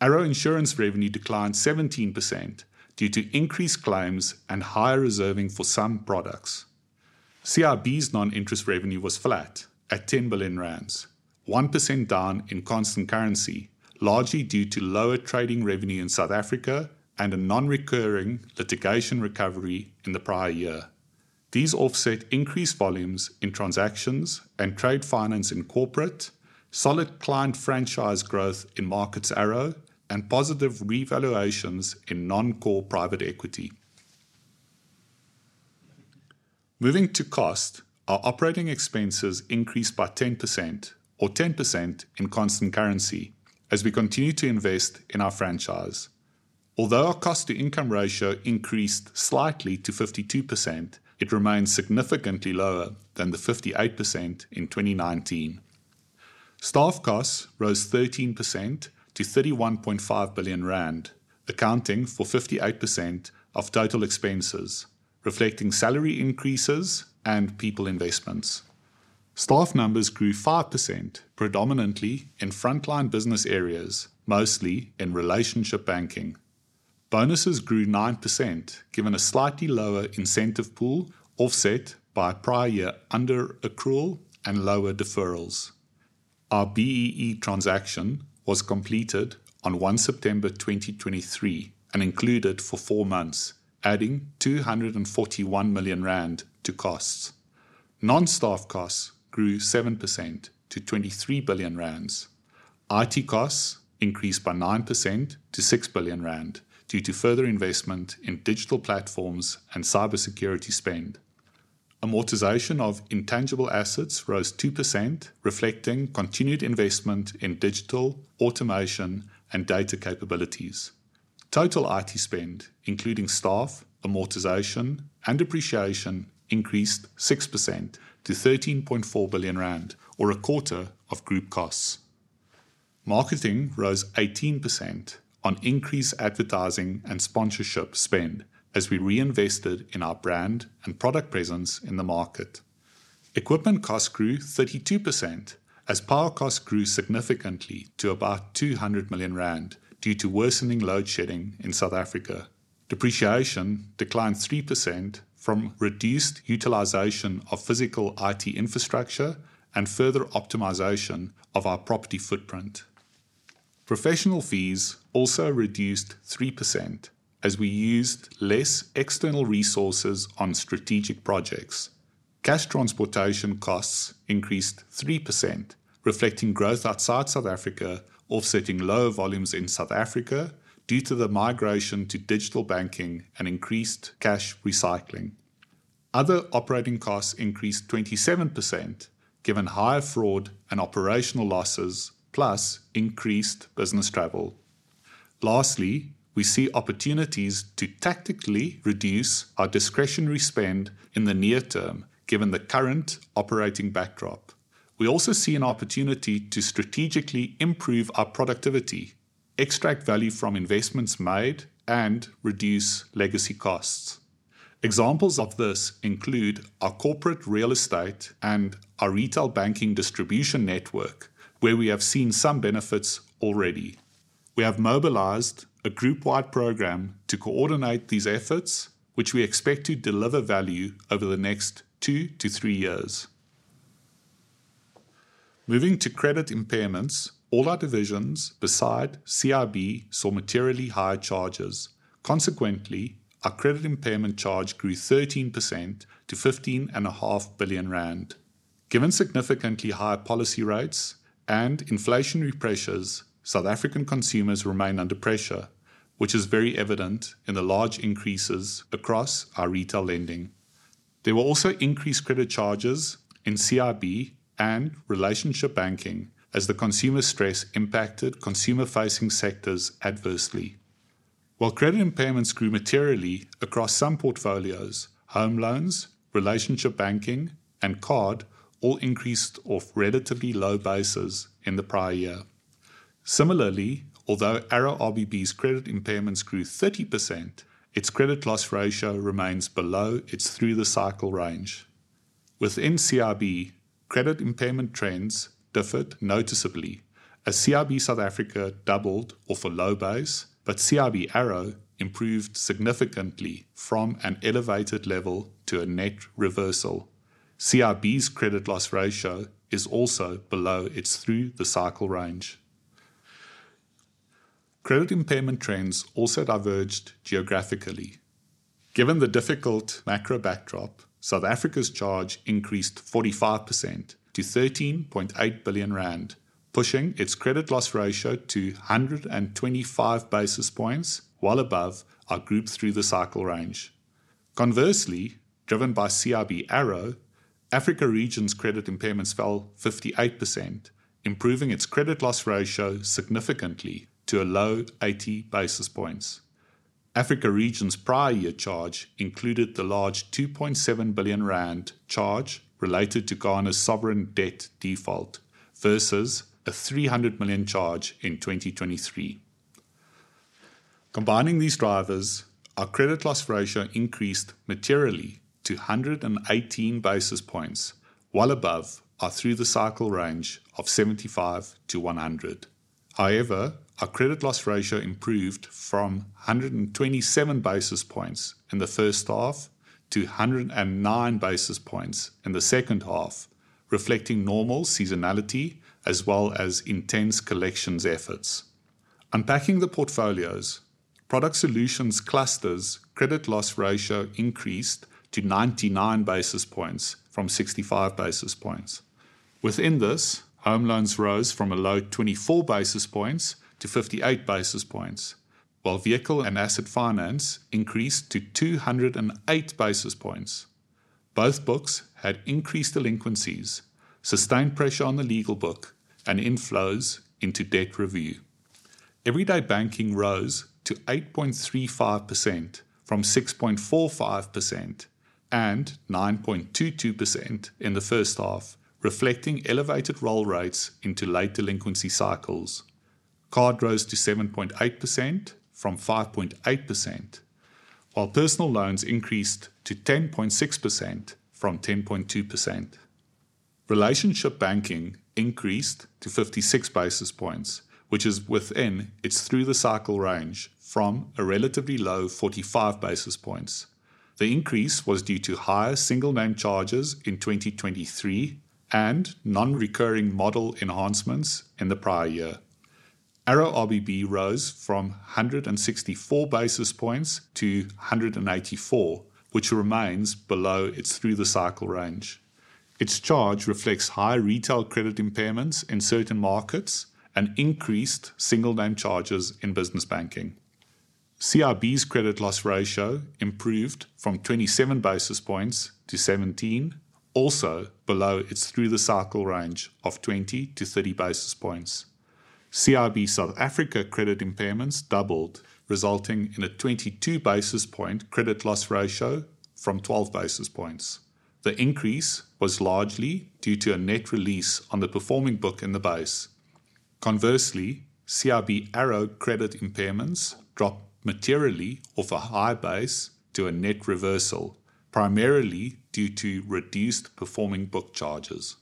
B: ARO insurance revenue declined 17% due to increased claims and higher reserving for some products. CIB's non-interest revenue was flat at 10 billion rand, 1% down in constant currency, largely due to lower trading revenue in South Africa and a non-recurring litigation recovery in the prior year. These offset increased volumes in transactions and trade finance in corporate, solid client franchise growth in Markets ARO, and positive revaluations in non-core private equity. Moving to cost, our operating expenses increased by 10% or 10% in constant currency as we continue to invest in our franchise. Although our cost-to-income ratio increased slightly to 52%, it remains significantly lower than the 58% in 2019. Staff costs rose 13% to 31.5 billion rand, accounting for 58% of total expenses, reflecting salary increases and people investments. Staff numbers grew 5%, predominantly in frontline business areas, mostly in Relationship Banking. Bonuses grew 9%, given a slightly lower incentive pool, offset by prior year under accrual and lower deferrals. Our BEE transaction was completed on 1 September 2023 and included for four months, adding 241 million rand to costs. Non-staff costs grew 7% to 23 billion rand. IT costs increased by 9% to 6 billion rand due to further investment in digital platforms and cybersecurity spend. Amortization of intangible assets rose 2%, reflecting continued investment in digital, automation, and data capabilities. Total IT spend, including staff, amortization, and depreciation, increased 6% to 13.4 billion rand, or a quarter of group costs. Marketing rose 18% on increased advertising and sponsorship spend as we reinvested in our brand and product presence in the market. Equipment costs grew 32% as power costs grew significantly to about 200 million rand due to worsening load shedding in South Africa. Depreciation declined 3% from reduced utilization of physical IT infrastructure and further optimization of our property footprint. Professional fees also reduced 3% as we used less external resources on strategic projects. Cash transportation costs increased 3%, reflecting growth outside South Africa, offsetting lower volumes in South Africa due to the migration to digital banking and increased cash recycling. Other operating costs increased 27%, given higher fraud and operational losses, plus increased business travel. Lastly, we see opportunities to tactically reduce our discretionary spend in the near term, given the current operating backdrop. We also see an opportunity to strategically improve our productivity, extract value from investments made, and reduce legacy costs. Examples of this include our corporate real estate and our retail banking distribution network, where we have seen some benefits already. We have mobilized a group-wide program to coordinate these efforts, which we expect to deliver value over the next 2-3 years. Moving to credit impairments, all our divisions besides CIB saw materially higher charges. Consequently, our credit impairment charge grew 13% to 15.5 billion rand. Given significantly higher policy rates and inflationary pressures, South African consumers remain under pressure, which is very evident in the large increases across our retail lending. There were also increased credit charges in CIB and Relationship Banking as the consumer stress impacted consumer-facing sectors adversely. While credit impairments grew materially across some portfolios, home loans, Relationship Banking, and Card all increased off relatively low bases in the prior year. Similarly, although ARO RBB's credit impairments grew 30%, its credit loss ratio remains below its through-the-cycle range. Within CIB, credit impairment trends differed noticeably, as CIB South Africa doubled off a low base, but CIB ARO improved significantly from an elevated level to a net reversal. CIB's credit loss ratio is also below its through-the-cycle range. Credit impairment trends also diverged geographically. Given the difficult macro backdrop, South Africa's charge increased 45% to 13.8 billion rand, pushing its credit loss ratio to 125 basis points, well above our group through-the-cycle range. Conversely, driven by CIB ARO, Africa region's credit impairments fell 58%, improving its credit loss ratio significantly to a low 80 basis points. Africa region's prior year charge included the large 2.7 billion rand charge related to Ghana's sovereign debt default versus a 300 million charge in 2023. Combining these drivers, our credit loss ratio increased materially to 118 basis points, well above our through-the-cycle range of 75-100. However, our credit loss ratio improved from 127 basis points in the first half to 109 basis points in the second half, reflecting normal seasonality as well as intense collections efforts. Unpacking the portfolios, Product Solutions Clusters credit loss ratio increased to 99 basis points from 65 basis points. Within this, home loans rose from a low 24 basis points to 58 basis points, while vehicle and asset finance increased to 208 basis points. Both books had increased delinquencies, sustained pressure on the legal book, and inflows into debt review. Everyday Banking rose to 8.35% from 6.45% and 9.22% in the first half, reflecting elevated roll rates into late delinquency cycles. Card rose to 7.8% from 5.8%, while Personal Loans increased to 10.6% from 10.2%. Relationship Banking increased to 56 basis points, which is within its through-the-cycle range from a relatively low 45 basis points. The increase was due to higher single name charges in 2023 and non-recurring model enhancements in the prior year. ARO RBB rose from 164 basis points to 184, which remains below its through-the-cycle range. Its charge reflects higher retail credit impairments in certain markets and increased single name charges in business banking. CIB's credit loss ratio improved from 27 basis points to 17, also below its through-the-cycle range of 20-30 basis points. CIB South Africa credit impairments doubled, resulting in a 22 basis point credit loss ratio from 12 basis points. The increase was largely due to a net release on the performing book in the base. Conversely, CIB ARO credit impairments dropped materially off a high base to a net reversal, primarily due to reduced performing book charges.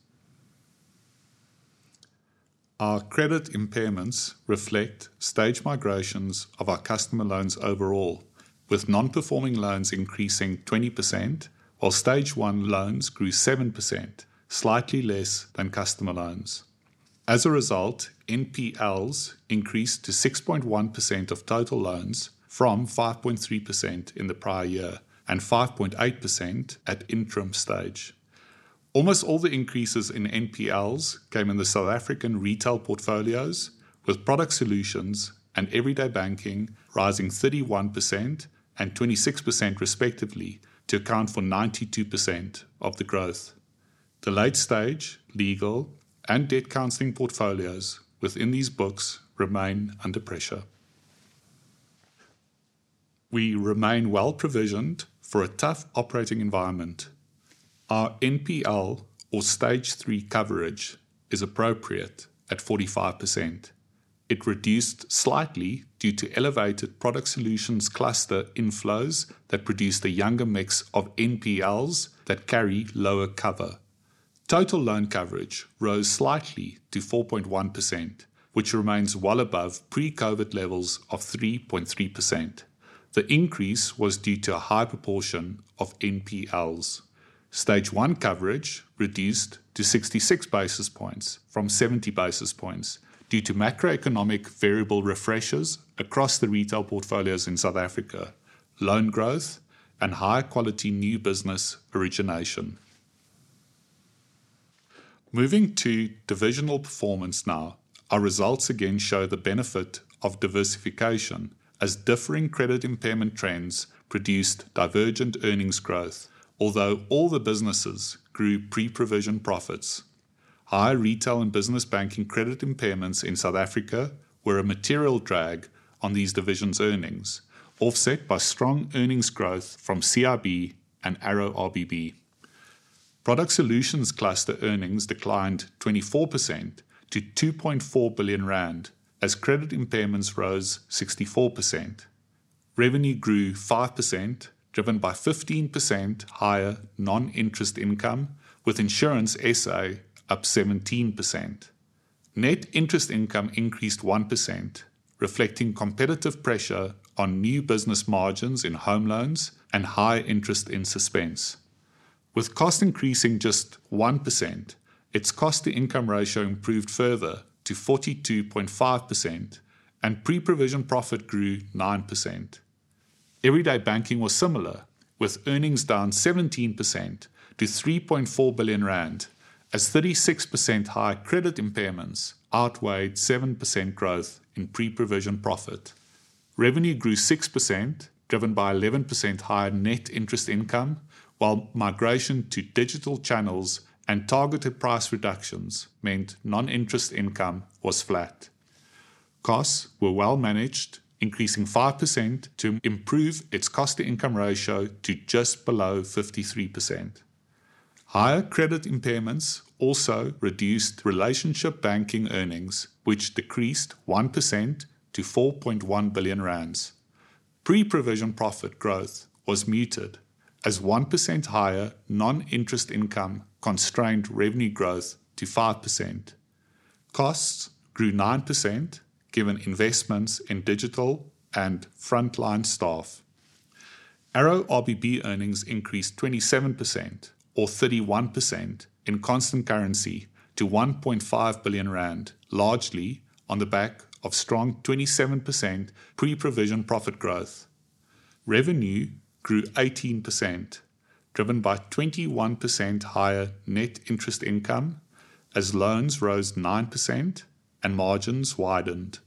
B: Our credit impairments reflect stage migrations of our customer loans overall, with non-performing loans increasing 20%, while Stage 1 loans grew 7%, slightly less than customer loans. As a result, NPLs increased to 6.1% of total loans from 5.3% in the prior year and 5.8% at interim stage. Almost all the increases in NPLs came in the South African retail portfolios, with Product Solutions and Everyday Banking rising 31% and 26%, respectively, to account for 92% of the growth. The late stage, legal, and debt counseling portfolios within these books remain under pressure.... We remain well provisioned for a tough operating environment. Our NPL or Stage 3 coverage is appropriate at 45%. It reduced slightly due to elevated Product Solutions Cluster inflows that produced a younger mix of NPLs that carry lower cover. Total loan coverage rose slightly to 4.1%, which remains well above pre-COVID levels of 3.3%. The increase was due to a high proportion of NPLs. Stage 1 coverage reduced to 66 basis points from 70 basis points due to macroeconomic vArrieable refreshes across the retail portfolios in South Africa, loan growth, and high-quality new business origination. Moving to divisional performance now, our results again show the benefit of diversification as differing credit impairment trends produced divergent earnings growth. Although all the businesses grew pre-provision profits, high retail and business banking credit impairments in South Africa were a material drag on these divisions' earnings, offset by strong earnings growth from CIB and ARO RBB. Product Solutions Cluster earnings declined 24% to 2.4 billion rand as credit impairments rose 64%. Revenue grew 5%, driven by 15% higher non-interest income, with Insurance SA up 17%. Net interest income increased 1%, reflecting competitive pressure on new business margins in home loans and high interest in suspense. With costs increasing just 1%, its cost-to-income ratio improved further to 42.5%, and pre-provision profit grew 9%. Everyday Banking was similar, with earnings down 17% to 3.4 billion rand, as 36% higher credit impairments outweighed 7% growth in pre-provision profit. Revenue grew 6%, driven by 11% higher net interest income, while migration to digital channels and targeted price reductions meant non-interest income was flat. Costs were well managed, increasing 5% to improve its cost-to-income ratio to just below 53%. Higher credit impairments also reduced Relationship Banking earnings, which decreased 1% to 4.1 billion rand. Pre-provision profit growth was muted as 1% higher non-interest income constrained revenue growth to 5%. Costs grew 9%, given investments in digital and frontline staff. ARO RBB earnings increased 27% or 31% in constant currency to 1.5 billion rand, largely on the back of strong 27% pre-provision profit growth. Revenue grew 18%, driven by 21% higher net interest income as loans rose 9% and margins widened.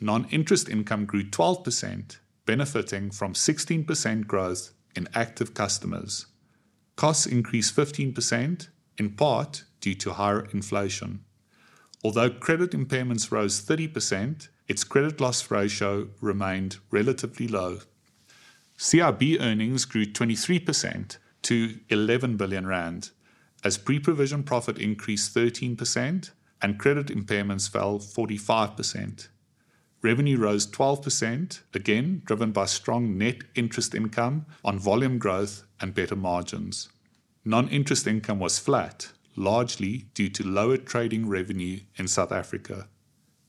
B: Non-interest income grew 12%, benefiting from 16% growth in active customers. Costs increased 15%, in part due to higher inflation. Although credit impairments rose 30%, its credit loss ratio remained relatively low. CIB earnings grew 23% to 11 billion rand, as pre-provision profit increased 13% and credit impairments fell 45%. Revenue rose 12%, again, driven by strong net interest income on volume growth and better margins. Non-interest income was flat, largely due to lower trading revenue in South Africa.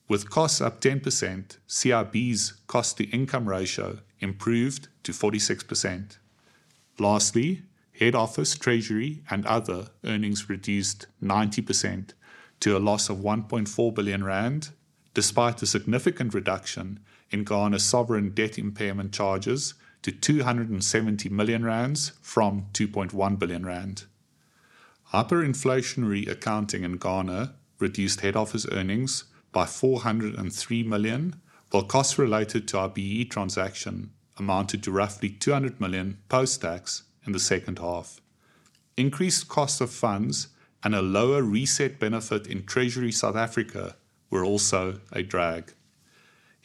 B: With costs up 10%, CIB's cost-to-income ratio improved to 46%. Lastly, Head Office, Treasury, and Other earnings reduced 90% to a loss of 1.4 billion rand, despite the significant reduction in Ghana sovereign debt impairment charges to 270 million rand from 2.1 billion rand. Hyperinflationary accounting in Ghana reduced Head Office earnings by 403 million, while costs related to our BEE transaction amounted to roughly 200 million post-tax in the second half. Increased cost of funds and a lower reset benefit in Treasury South Africa were also a drag.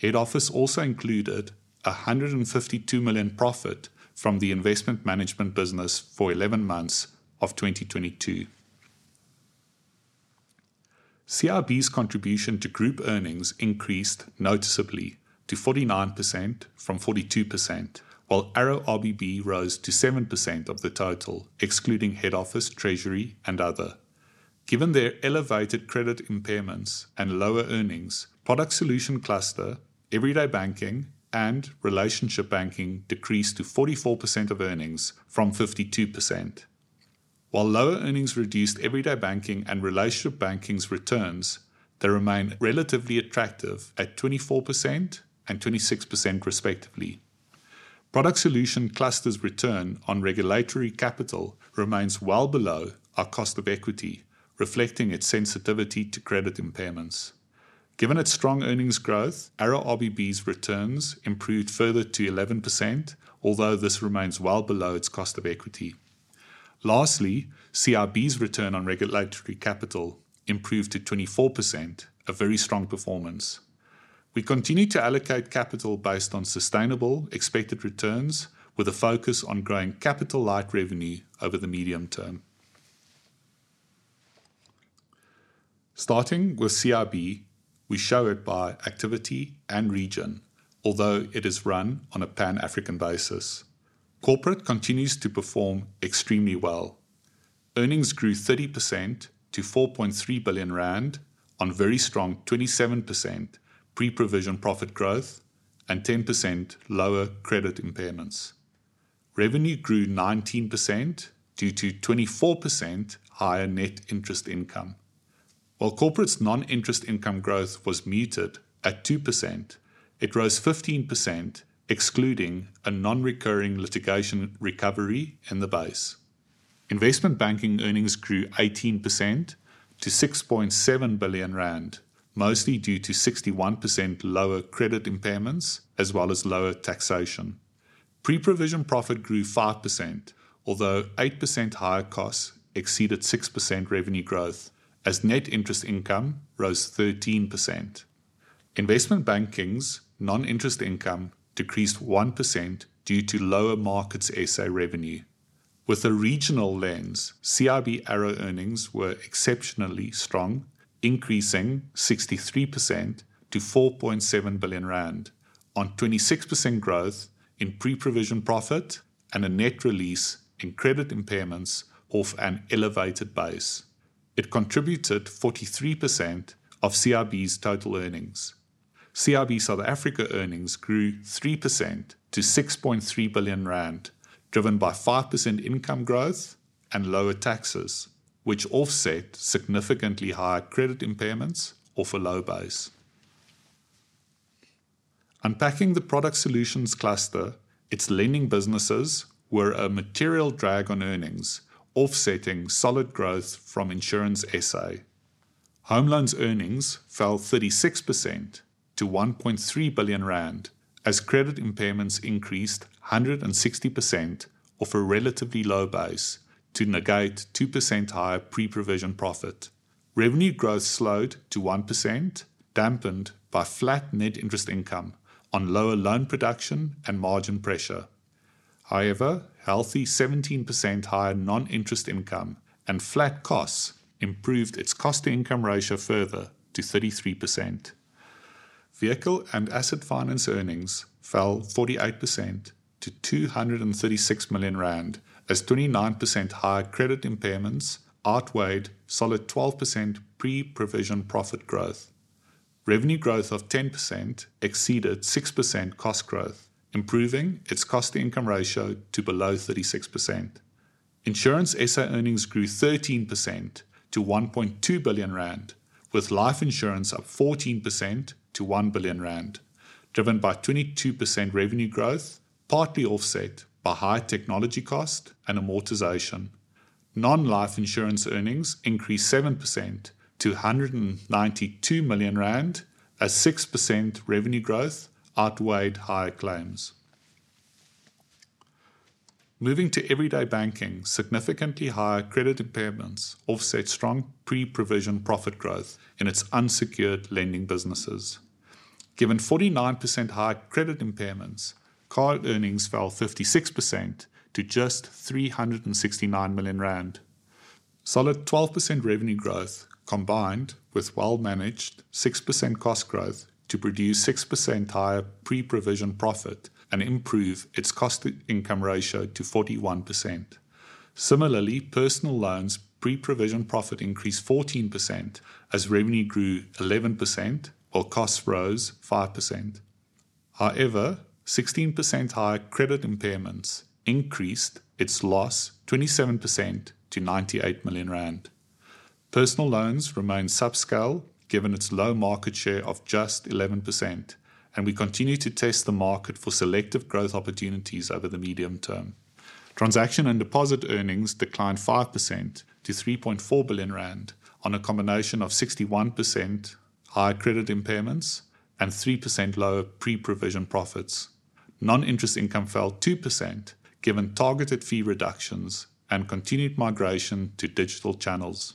B: Head Office also included a 152 million profit from the investment management business for 11 months of 2022. CIB's contribution to group earnings increased noticeably to 49% from 42%, while ARO RBB rose to 7% of the total, excluding Head Office, Treasury, and Other. Given their elevated credit impairments and lower earnings, Product Solutions Cluster, Everyday Banking, and Relationship Banking decreased to 44% of earnings from 52%. While lower earnings reduced Everyday Banking and Relationship Banking's returns, they remain relatively attractive at 24% and 26%, respectively. Product Solutions Cluster's return on regulatory capital remains well below our cost of equity, reflecting its sensitivity to credit impairments. Given its strong earnings growth, ARO RBB's returns improved further to 11%, although this remains well below its cost of equity.... Lastly, CIB's return on regulatory capital improved to 24%, a very strong performance. We continue to allocate capital based on sustainable expected returns, with a focus on growing capital light revenue over the medium term. Starting with CIB, we show it by activity and region, although it is run on a pan-African basis. Corporate continues to perform extremely well. Earnings grew 30% to 4.3 billion rand on very strong 27% pre-provision profit growth and 10% lower credit impairments. Revenue grew 19% due to 24% higher net interest income. While Corporate's non-interest income growth was muted at 2%, it rose 15%, excluding a non-recurring litigation recovery in the base. Investment Banking earnings grew 18% to 6.7 billion rand, mostly due to 61% lower credit impairments, as well as lower taxation. Pre-provision profit grew 5%, although 8% higher costs exceeded 6% revenue growth as net interest income rose 13%. Investment Banking's non-interest income decreased 1% due to lower Markets SA revenue. With a regional lens, CIB ARO earnings were exceptionally strong, increasing 63% to 4.7 billion rand on 26% growth in pre-provision profit and a net release in credit impairments off an elevated base. It contributed 43% of CIB's total earnings. CIB South Africa earnings grew 3% to 6.3 billion rand, driven by 5% income growth and lower taxes, which offset significantly higher credit impairments off a low base. Unpacking the Product Solutions Cluster, its lending businesses were a material drag on earnings, offsetting solid growth from Insurance SA. Home Loans earnings fell 36% to 1.3 billion rand, as credit impairments increased 160% off a relatively low base to negate 2% higher pre-provision profit. Revenue growth slowed to 1%, dampened by flat net interest income on lower loan production and margin pressure. However, healthy 17% higher non-interest income and flat costs improved its cost-to-income ratio further to 33%. Vehicle and Asset Finance earnings fell 48% to 236 million rand, as 29% higher credit impairments outweighed solid 12% pre-provision profit growth. Revenue growth of 10% exceeded 6% cost growth, improving its cost-to-income ratio to below 36%. Insurance SA earnings grew 13% to 1.2 billion rand, with life insurance up 14% to 1 billion rand, driven by 22% revenue growth, partly offset by higher technology cost and amortization. Non-life insurance earnings increased 7% to 192 million rand, as 6% revenue growth outweighed higher claims. Moving to Everyday Banking, significantly higher credit impairments offset strong pre-provision profit growth in its unsecured lending businesses. Given 49% higher credit impairments, Card earnings fell 56% to just 369 million rand. Solid 12% revenue growth, combined with well-managed 6% cost growth to produce 6% higher pre-provision profit and improve its cost-to-income ratio to 41%. Similarly, Personal Loans pre-provision profit increased 14% as revenue grew 11%, while costs rose 5%. However, 16% higher credit impairments increased its loss 27% to 98 million rand. Personal Loans remain subscale given its low market share of just 11%, and we continue to test the market for selective growth opportunities over the medium term. Transaction and deposit earnings declined 5% to 3.4 billion rand on a combination of 61% higher credit impairments and 3% lower pre-provision profits. Non-interest income fell 2%, given targeted fee reductions and continued migration to digital channels.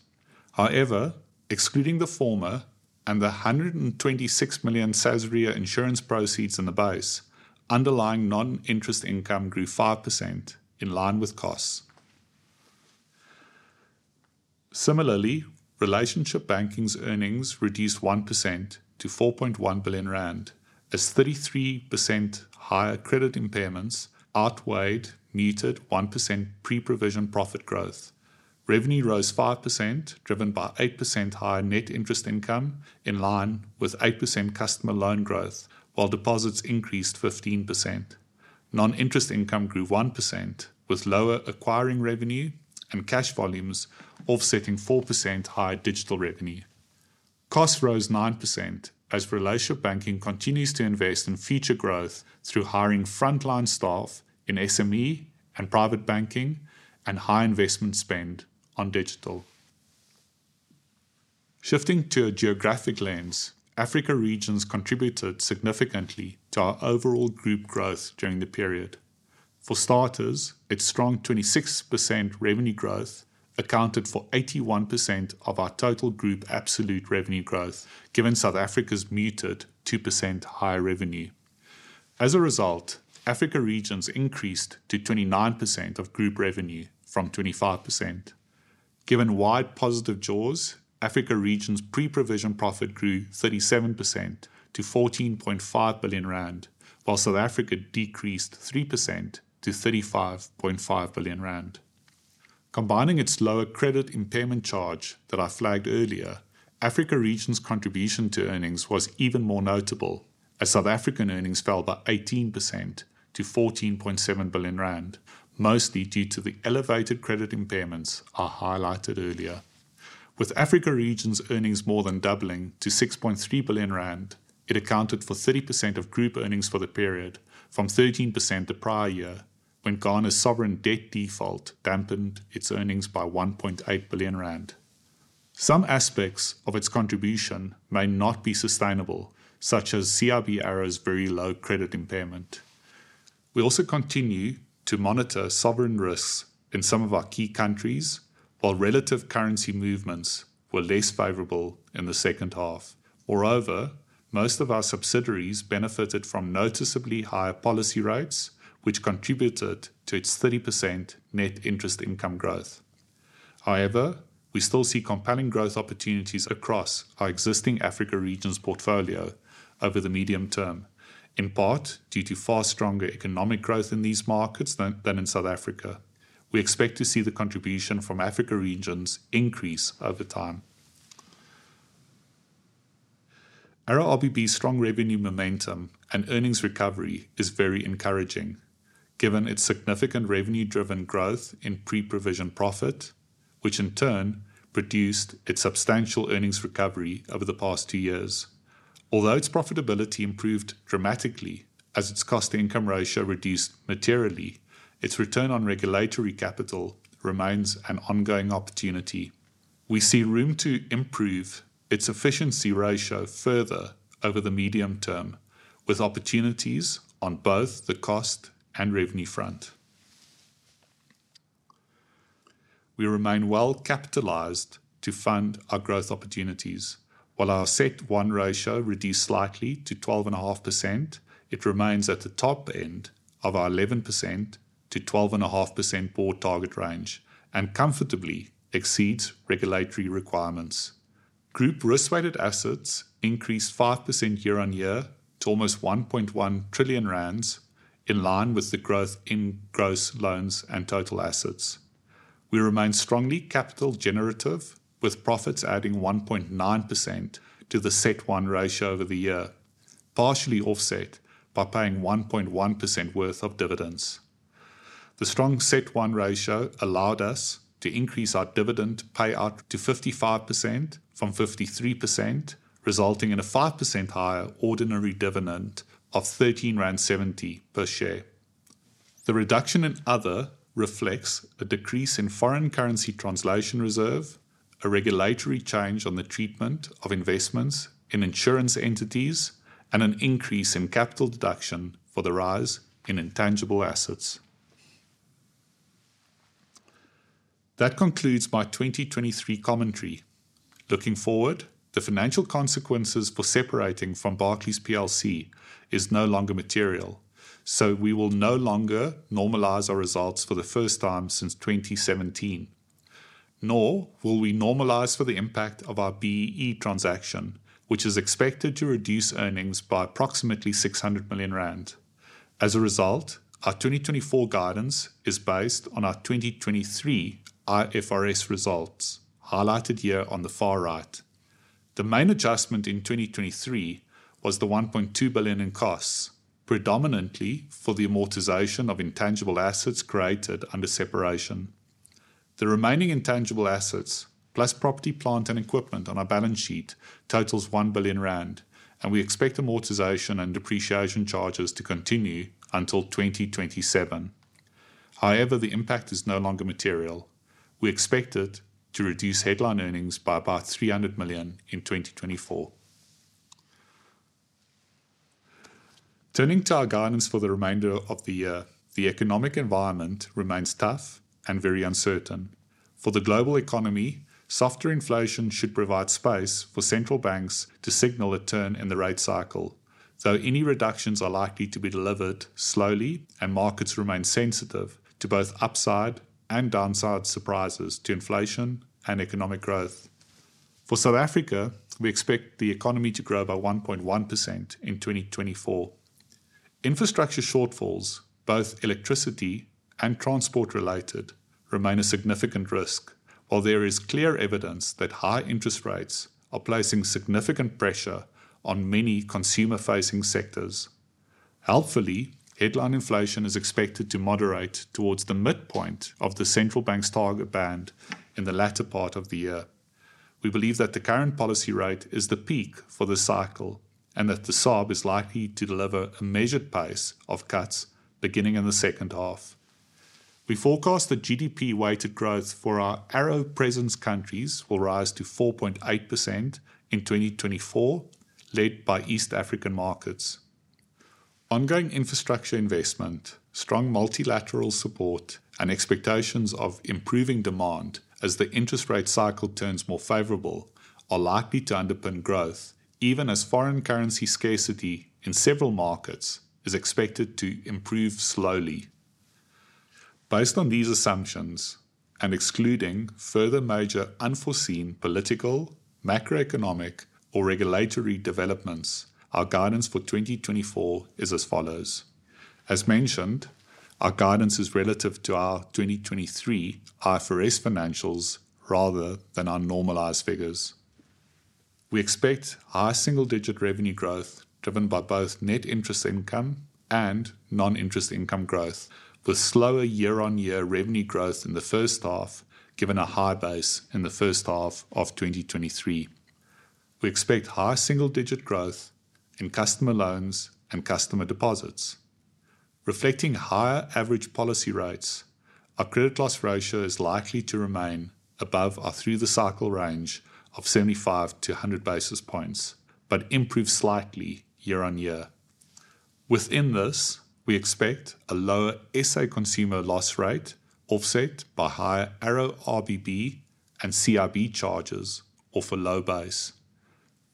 B: However, excluding the former and the 126 million Sasria insurance proceeds in the base, underlying non-interest income grew 5% in line with costs. Similarly, Relationship Banking's earnings reduced 1% to 4.1 billion rand, as 33% higher credit impairments outweighed muted 1% pre-provision profit growth. Revenue rose 5%, driven by 8% higher net interest income, in line with 8% customer loan growth, while deposits increased 15%. Non-interest income grew 1%, with lower acquiring revenue and cash volumes offsetting 4% higher digital revenue. Costs rose 9% as Relationship Banking continues to invest in future growth through hiring frontline staff in SME and private banking and high investment spend on digital.... Shifting to a geographic lens, Africa Regions contributed significantly to our overall group growth during the period. For starters, its strong 26% revenue growth accounted for 81% of our total group absolute revenue growth, given South Africa's muted 2% higher revenue. As a result, Africa Regions increased to 29% of group revenue from 25%. Given wide positive jaws, Africa Regions pre-provision profit grew 37% to 14.5 billion rand, while South Africa decreased 3% to 35.5 billion rand. Combining its lower credit impairment charge that I flagged earlier, Africa Regions' contribution to earnings was even more notable, as South African earnings fell by 18% to 14.7 billion rand, mostly due to the elevated credit impairments I highlighted earlier. With Africa Regions earnings more than doubling to 6.3 billion rand, it accounted for 30% of group earnings for the period, from 13% the prior year, when Ghana's sovereign debt default dampened its earnings by 1.8 billion rand. Some aspects of its contribution may not be sustainable, such as CIB ARO's very low credit impairment. We also continue to monitor sovereign risks in some of our key countries, while relative currency movements were less favorable in the second half. Moreover, most of our subsidiaries benefited from noticeably higher policy rates, which contributed to its 30% net interest income growth. However, we still see compelling growth opportunities across our existing Africa Regions portfolio over the medium term, in part due to far stronger economic growth in these markets than in South Africa. We expect to see the contribution from Africa Regions increase over time. ARO RBB's strong revenue momentum and earnings recovery is very encouraging, given its significant revenue-driven growth in pre-provision profit, which in turn produced its substantial earnings recovery over the past two years. Although its profitability improved dramatically as its cost income ratio reduced materially, its return on regulatory capital remains an ongoing opportunity. We see room to improve its efficiency ratio further over the medium term, with opportunities on both the cost and revenue front. We remain well capitalized to fund our growth opportunities. While our CET1 ratio reduced slightly to 12.5%, it remains at the top end of our 11%-12.5% core target range and comfortably exceeds regulatory requirements. Group risk-weighted assets increased 5% year on year to almost 1.1 trillion rand, in line with the growth in gross loans and total assets. We remain strongly capital generative, with profits adding 1.9% to the CET1 ratio over the year, partially offset by paying 1.1% worth of dividends. The strong CET1 ratio allowed us to increase our dividend payout to 55% from 53%, resulting in a 5% higher ordinary dividend of 13.70 per share. The reduction in other reflects a decrease in foreign currency translation reserve, a regulatory change on the treatment of investments in insurance entities, and an increase in capital deduction for the rise in intangible assets. That concludes my 2023 commentary. Looking forward, the financial consequences for separating from Barclays PLC is no longer material, so we will no longer normalize our results for the first time since 2017, nor will we normalize for the impact of our BEE transaction, which is expected to reduce earnings by approximately 600 million rand. As a result, our 2024 guidance is based on our 2023 IFRS results, highlighted here on the far right. The main adjustment in 2023 was the 1.2 billion in costs, predominantly for the amortization of intangible assets created under separation. The remaining intangible assets, plus property, plant, and equipment on our balance sheet, totals 1 billion rand, and we expect amortization and depreciation charges to continue until 2027. However, the impact is no longer material. We expect it to reduce headline earnings by about 300 million in 2024. Turning to our guidance for the remainder of the year, the economic environment remains tough and very uncertain. For the global economy, softer inflation should provide space for central banks to signal a turn in the rate cycle, though any reductions are likely to be delivered slowly and markets remain sensitive to both upside and downside surprises to inflation and economic growth. For South Africa, we expect the economy to grow by 1.1% in 2024. Infrastructure shortfalls, both electricity and transport related, remain a significant risk, while there is clear evidence that high interest rates are placing significant pressure on many consumer-facing sectors. Helpfully, headline inflation is expected to moderate towards the midpoint of the central bank's target band in the latter part of the year. We believe that the current policy rate is the peak for this cycle and that the SARB is likely to deliver a measured pace of cuts beginning in the second half. We forecast the GDP weighted growth for our ARO presence countries will rise to 4.8% in 2024, led by East African markets. Ongoing infrastructure investment, strong multilateral support, and expectations of improving demand as the interest rate cycle turns more favorable, are likely to underpin growth, even as foreign currency scarcity in several markets is expected to improve slowly. Based on these assumptions, and excluding further major unforeseen political, macroeconomic, or regulatory developments, our guidance for 2024 is as follows. As mentioned, our guidance is relative to our 2023 IFRS financials rather than our normalized figures. We expect high single-digit revenue growth, driven by both net interest income and non-interest income growth, with slower year-on-year revenue growth in the first half, given a high base in the first half of 2023. We expect high single-digit growth in customer loans and customer deposits. Reflecting higher average policy rates, our credit loss ratio is likely to remain above or through the cycle range of 75-100 basis points, but improve slightly year-on-year. Within this, we expect a lower SA consumer loss rate, offset by higher ARO RBB and CIB charges off a low base.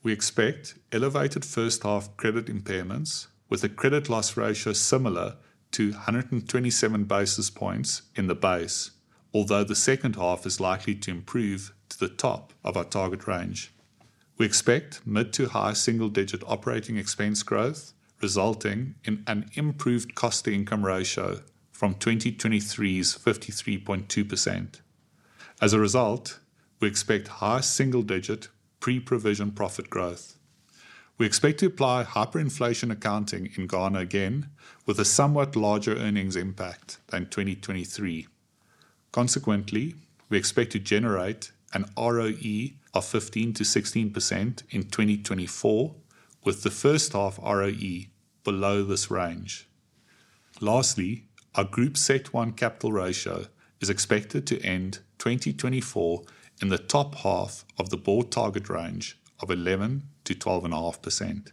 B: We expect elevated first half credit impairments with a credit loss ratio similar to 127 basis points in the base, although the second half is likely to improve to the top of our target range. We expect mid- to high single-digit operating expense growth, resulting in an improved cost-to-income ratio from 2023's 53.2%. As a result, we expect high single-digit pre-provision profit growth. We expect to apply hyperinflation accounting in Ghana again, with a somewhat larger earnings impact than 2023. Consequently, we expect to generate an ROE of 15%-16% in 2024, with the first half ROE below this range. Lastly, our Group CET1 capital ratio is expected to end 2024 in the top half of the board target range of 11%-12.5%.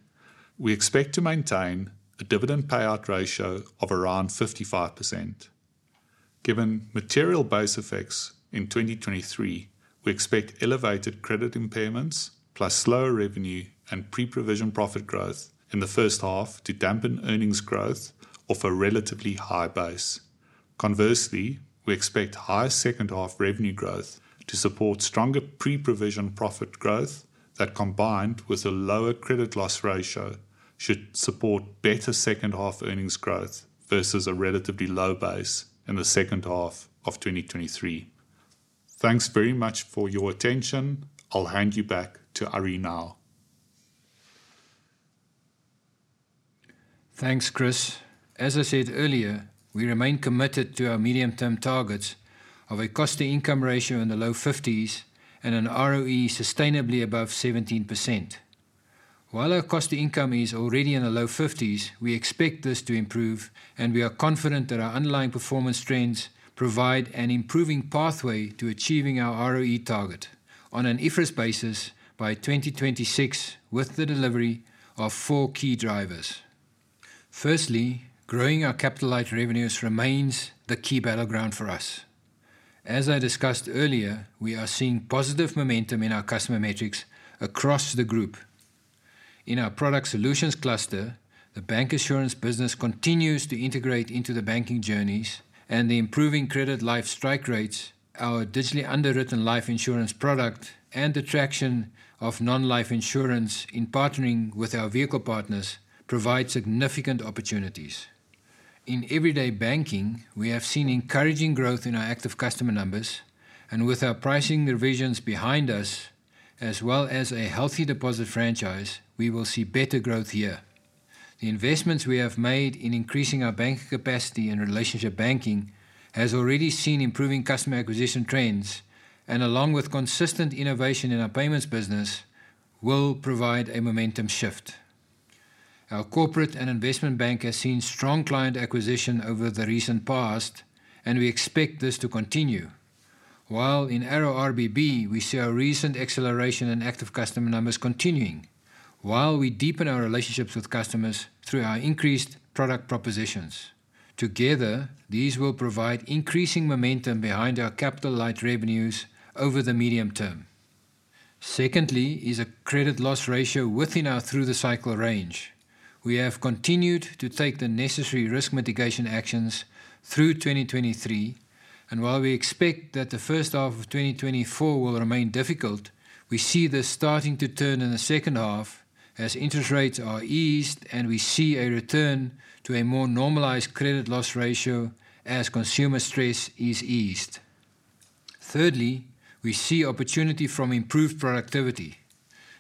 B: We expect to maintain a dividend payout ratio of around 55%. Given material base effects in 2023, we expect elevated credit impairments plus slower revenue and pre-provision profit growth in the first half to dampen earnings growth of a relatively high base. Conversely, we expect higher second half revenue growth to support stronger pre-provision profit growth that, combined with a lower credit loss ratio, should support better second half earnings growth versus a relatively low base in the second half of 2023. Thanks very much for your attention. I'll hand you back to Arrie now.
A: Thanks, Chris. As I said earlier, we remain committed to our medium-term targets of a cost-to-income ratio in the low 50s and an ROE sustainably above 17%. While our cost to income is already in the low 50s, we expect this to improve, and we are confident that our underlying performance trends provide an improving pathway to achieving our ROE target on an IFRS basis by 2026, with the delivery of 4 key drivers. Firstly, growing our capital light revenues remains the key battleground for us. As I discussed earlier, we are seeing positive momentum in our customer metrics across the group. In our Product Solutions Cluster, the bancansurance business continues to integrate into the banking journeys and the improving credit life strike rates, our digitally underwritten life insurance product, and the traction of non-life insurance in partnering with our vehicle partners provide significant opportunities. In Everyday Banking, we have seen encouraging growth in our active customer numbers, and with our pricing revisions behind us, as well as a healthy deposit franchise, we will see better growth here. The investments we have made in increasing our banking capacity and Relationship Banking has already seen improving customer acquisition trends, and along with consistent innovation in our payments business, will provide a momentum shift. Our corporate and investment bank has seen strong client acquisition over the recent past, and we expect this to continue. While in ARO RBB, we see our recent acceleration in active customer numbers continuing, while we deepen our relationships with customers through our increased product propositions. Together, these will provide increasing momentum behind our capital light revenues over the medium term. Secondly is a credit loss ratio within our through the cycle range. We have continued to take the necessary risk mitigation actions through 2023, and while we expect that the first half of 2024 will remain difficult, we see this starting to turn in the second half as interest rates are eased and we see a return to a more normalized credit loss ratio as consumer stress is eased. Thirdly, we see opportunity from improved productivity.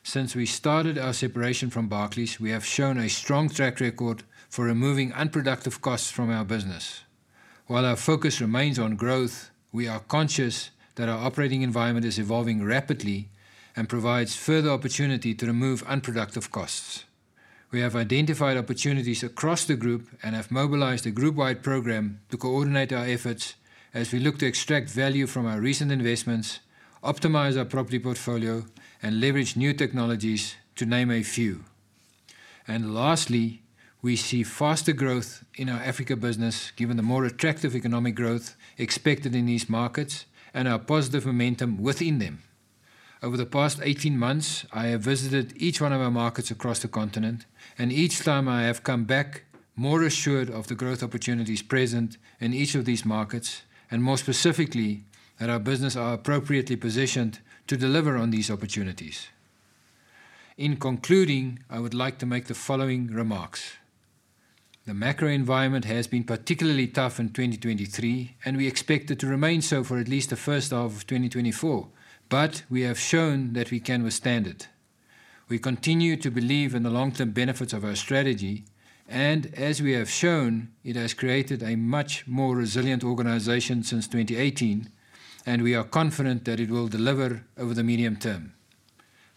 A: Since we started our separation from Barclays, we have shown a strong track record for removing unproductive costs from our business. While our focus remains on growth, we are conscious that our operating environment is evolving rapidly and provides further opportunity to remove unproductive costs.... We have identified opportunities across the group and have mobilized a group-wide program to coordinate our efforts as we look to extract value from our recent investments, optimize our property portfolio, and leverage new technologies, to name a few. And lastly, we see faster growth in our Africa business, given the more attractive economic growth expected in these markets and our positive momentum within them. Over the past 18 months, I have visited each one of our markets across the continent, and each time I have come back more assured of the growth opportunities present in each of these markets, and more specifically, that our business are appropriately positioned to deliver on these opportunities. In concluding, I would like to make the following remarks: The macro environment has been particularly tough in 2023, and we expect it to remain so for at least the first half of 2024, but we have shown that we can withstand it. We continue to believe in the long-term benefits of our strategy, and as we have shown, it has created a much more resilient organization since 2018, and we are confident that it will deliver over the medium term.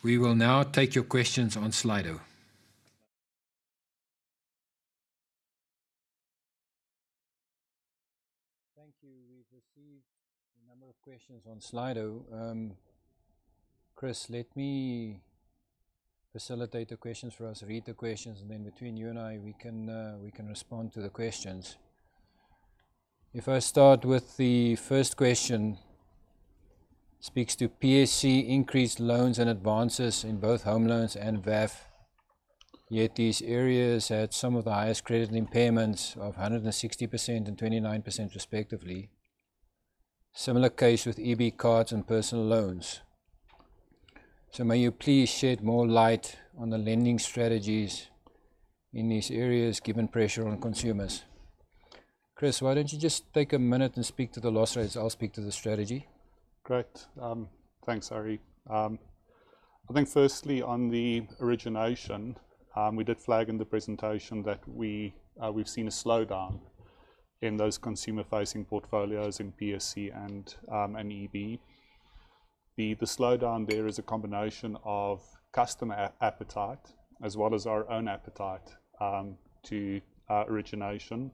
A: We will now take your questions on Slido. Thank you. We've received a number of questions on Slido. Chris, let me facilitate the questions for us, read the questions, and then between you and I, we can, we can respond to the questions. If I start with the first question, speaks to PSC increased loans and advances in both home loans and VAF, yet these areas had some of the highest credit impairments of 160% and 29%, respectively. Similar case with EB cards and Personal Loans. So may you please shed more light on the lending strategies in these areas, given pressure on consumers? Chris, why don't you just take a minute and speak to the loss rates. I'll speak to the strategy.
B: Great. Thanks, Arrie. I think firstly, on the origination, we did flag in the presentation that we, we've seen a slowdown in those consumer-facing portfolios in PSC and EB. The slowdown there is a combination of customer appetite as well as our own appetite to origination.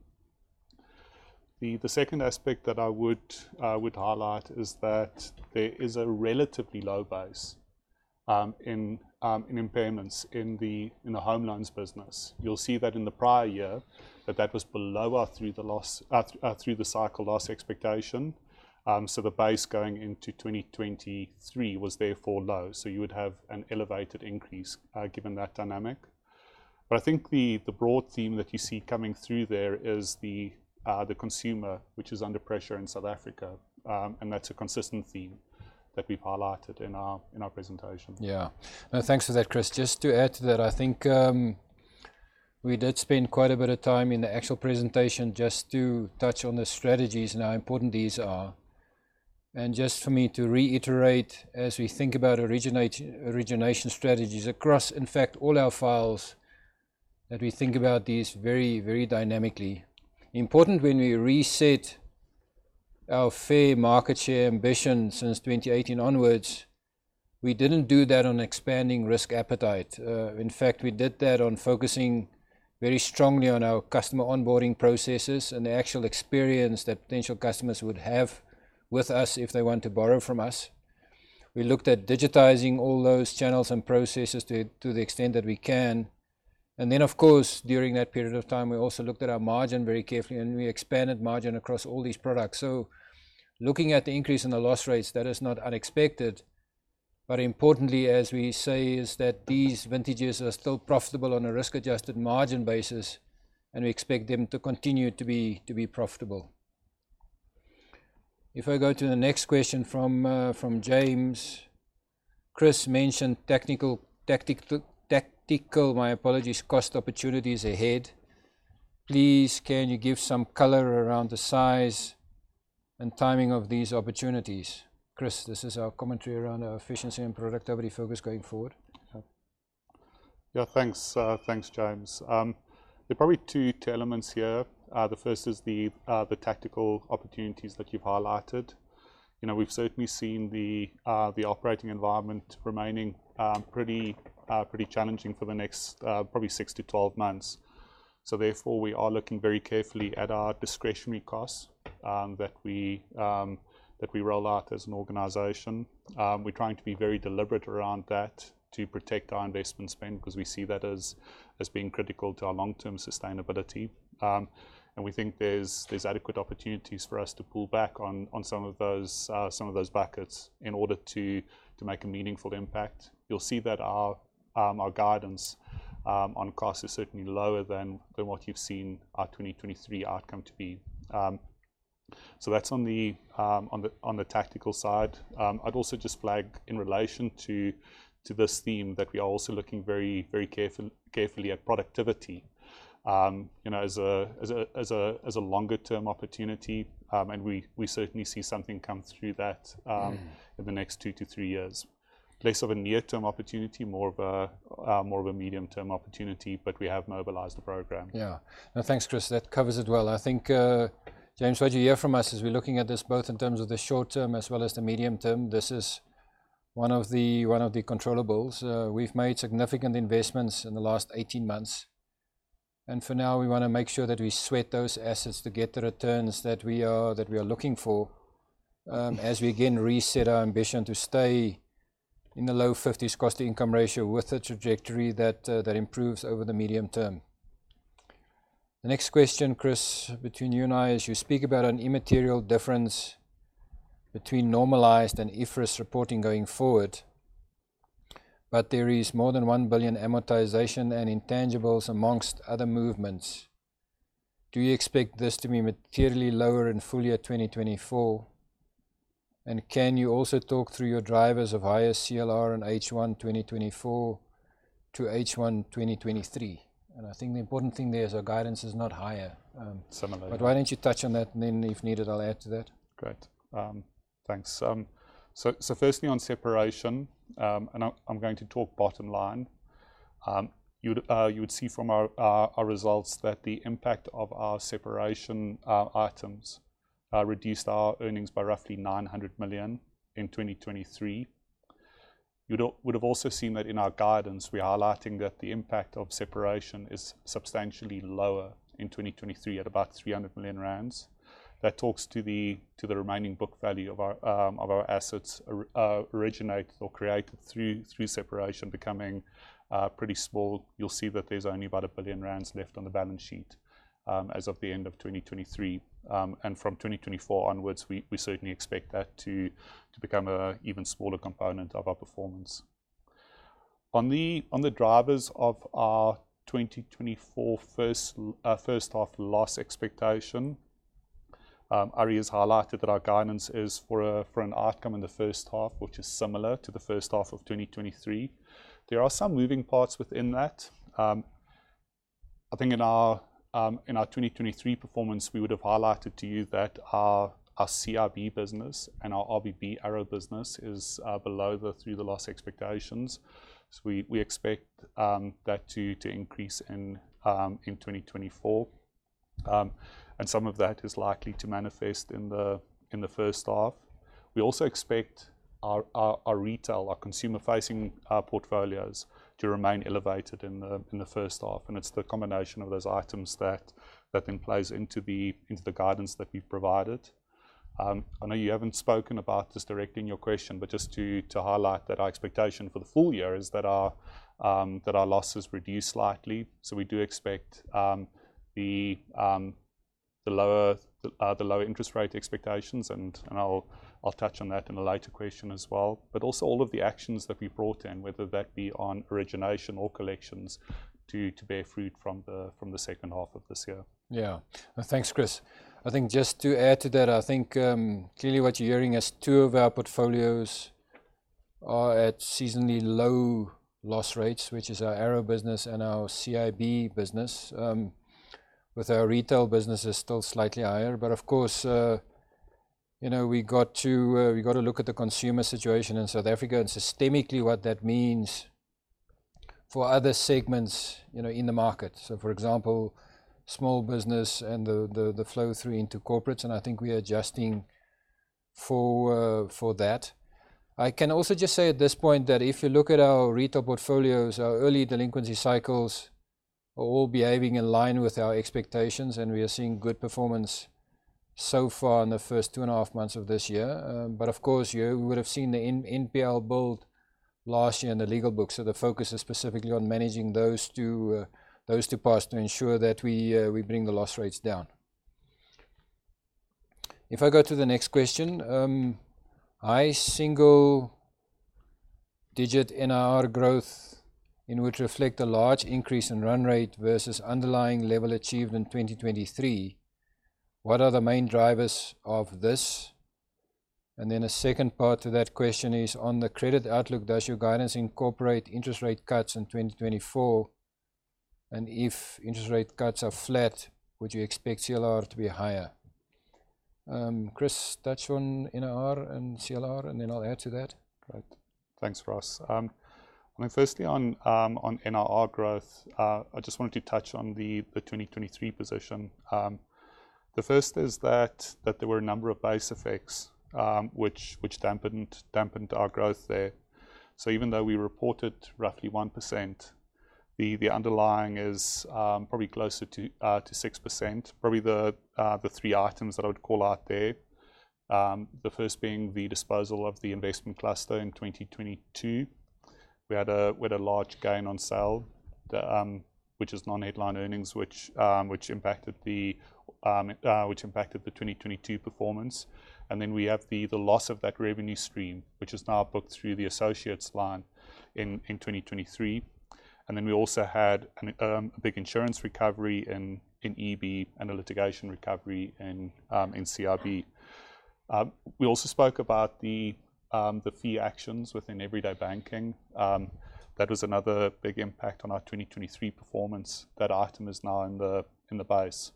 B: The second aspect that I would highlight is that there is a relatively low base in impairments in the home loans business. You'll see that in the prior year, that was below our through the loss through the cycle loss expectation. So the base going into 2023 was therefore low, so you would have an elevated increase given that dynamic. I think the broad theme that you see coming through there is the consumer, which is under pressure in South Africa, and that's a consistent theme that we've highlighted in our presentation.
A: Yeah. No, thanks for that, Chris. Just to add to that, I think, we did spend quite a bit of time in the actual presentation just to touch on the strategies and how important these are. And just for me to reiterate, as we think about origination strategies across, in fact, all our files, that we think about these very, very dynamically. Important when we reset our fair market share ambition since 2018 onwards, we didn't do that on expanding risk appetite. In fact, we did that on focusing very strongly on our customer onboarding processes and the actual experience that potential customers would have with us if they want to borrow from us. We looked at digitizing all those channels and processes to the extent that we can. And then, of course, during that period of time, we also looked at our margin very carefully, and we expanded margin across all these products. So looking at the increase in the loss rates, that is not unexpected, but importantly, as we say, is that these vintages are still profitable on a risk-adjusted margin basis, and we expect them to continue to be profitable. If I go to the next question from from James. "Chris mentioned technical, tactical, my apologies, cost opportunities ahead. Please, can you give some color around the size and timing of these opportunities?" Chris, this is our commentary around our efficiency and productivity focus going forward.
B: Yeah, thanks, thanks, James. There are probably two elements here. The first is the tactical opportunities that you've highlighted. You know, we've certainly seen the operating environment remaining pretty challenging for the next probably six to 12 months. So therefore, we are looking very carefully at our discretionary costs that we roll out as an organization. We're trying to be very deliberate around that to protect our investment spend, because we see that as being critical to our long-term sustainability. And we think there's adequate opportunities for us to pull back on some of those buckets in order to make a meaningful impact. You'll see that our guidance on costs is certainly lower than what you've seen our 2023 outcome to be. So that's on the tactical side. I'd also just flag in relation to this theme that we are also looking very, very carefully at productivity, you know, as a longer-term opportunity. And we certainly see something come through that,
A: Mm... in the next 2-3 years. Less of a near-term opportunity, more of a, more of a medium-term opportunity, but we have mobilized the program.
B: Yeah. No, thanks, Chris. That covers it well. I think, James, what you hear from us is we're looking at this both in terms of the short term as well as the medium term. One of the controllables. We've made significant investments in the last 18 months, and for now we wanna make sure that we sweat those assets to get the returns that we are looking for, as we again reset our ambition to stay in the low-50s cost-to-income ratio with the trajectory that improves over the medium term. The next question, Chris, between you and I, is you speak about an immaterial difference between normalized and IFRS reporting going forward, but there is more than 1 billion amortization and intangibles amongst other movements. Do you expect this to be materially lower in full-year 2024? Can you also talk through your drivers of higher CLR in H1 2024 to H1 2023? And I think the important thing there is our guidance is not higher. Similar. But why don't you touch on that, and then if needed, I'll add to that.
A: Great. Thanks. So, firstly, on separation, and I'm going to talk bottom line. You would see from our results that the impact of our separation items reduced our earnings by roughly 900 million in 2023. You would have also seen that in our guidance, we are highlighting that the impact of separation is substantially lower in 2023, at about 300 million rand. That talks to the remaining book value of our assets, or originated or created through separation becoming pretty small. You'll see that there's only about 1 billion rand left on the balance sheet, as of the end of 2023. And from 2024 onwards, we certainly expect that to become a even smaller component of our performance. On the drivers of our 2024 first-half loss expectation, Arrie has highlighted that our guidance is for an outcome in the first half, which is similar to the first half of 2023. There are some moving parts within that. I think in our 2023 performance, we would have highlighted to you that our CIB business and our RBB ARO business is below the through-the-cycle loss expectations. So we expect that to increase in 2024. And some of that is likely to manifest in the first half. We also expect our retail, our consumer-facing portfolios to remain elevated in the first half, and it's the combination of those items that then plays into the guidance that we've provided. I know you haven't spoken about this directly in your question, but just to highlight that our expectation for the full year is that our losses reduce slightly. So we do expect the lower interest rate expectations, and I'll touch on that in a later question as well. But also all of the actions that we brought in, whether that be on origination or collections, to bear fruit from the second half of this year. Yeah. Thanks, Chris. I think just to add to that, I think, clearly what you're hearing is two of our portfolios are at seasonally low loss rates, which is our ARO business and our CIB business. With our retail business is still slightly higher, but of course, you know, we got to, we got to look at the consumer situation in South Africa and systemically what that means for other segments, you know, in the market. So, for example, small business and the flow through into corporates, and I think we are adjusting for, for that. I can also just say at this point that if you look at our retail portfolios, our early delinquency cycles are all behaving in line with our expectations, and we are seeing good performance so far in the first two and a half months of this year. But of course, you would have seen the NPL build last year in the retail book, so the focus is specifically on managing those two, those two parts to ensure that we, we bring the loss rates down. If I go to the next question, high single digit NIR growth, in which reflect a large increase in run rate versus underlying level achieved in 2023, what are the main drivers of this? And then a second part to that question is: on the credit outlook, does your guidance incorporate interest rate cuts in 2024? And if interest rate cuts are flat, would you expect CLR to be higher? Chris, touch on NIR and CLR, and then I'll add to that.
B: Great. Thanks, Ross. I mean, firstly, on NIR growth, I just wanted to touch on the 2023 position. The first is that there were a number of base effects, which dampened our growth there. So even though we reported roughly 1%, the underlying is probably closer to 6%. Probably the three items that I would call out there, the first being the disposal of the investment cluster in 2022. We had a large gain on sale, which is non-headline earnings, which impacted the 2022 performance. And then we have the loss of that revenue stream, which is now booked through the associates line in 2023. And then we also had a big insurance recovery in EB and a litigation recovery in CIB. We also spoke about the fee actions within Everyday Banking. That was another big impact on our 2023 performance. That item is now in the base.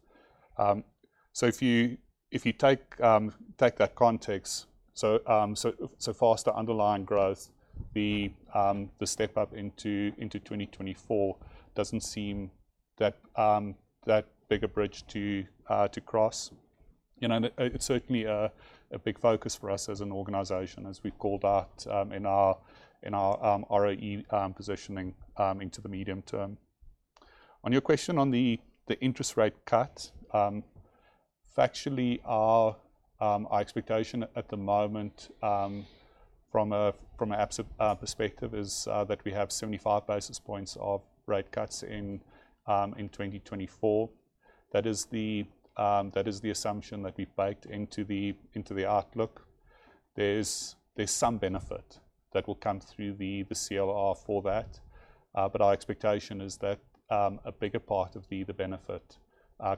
B: So if you take that context, so faster underlying growth, the step up into 2024 doesn't seem that big a bridge to cross. You know, and it's certainly a big focus for us as an organization, as we've called out, in our ROE positioning into the medium term. On your question on the interest rate cut, factually, our expectation at the moment, from an Absa perspective, is that we have 75 basis points of rate cuts in 2024. That is the assumption that we've baked into the outlook. There's some benefit that will come through the CLR for that, but our expectation is that a bigger part of the benefit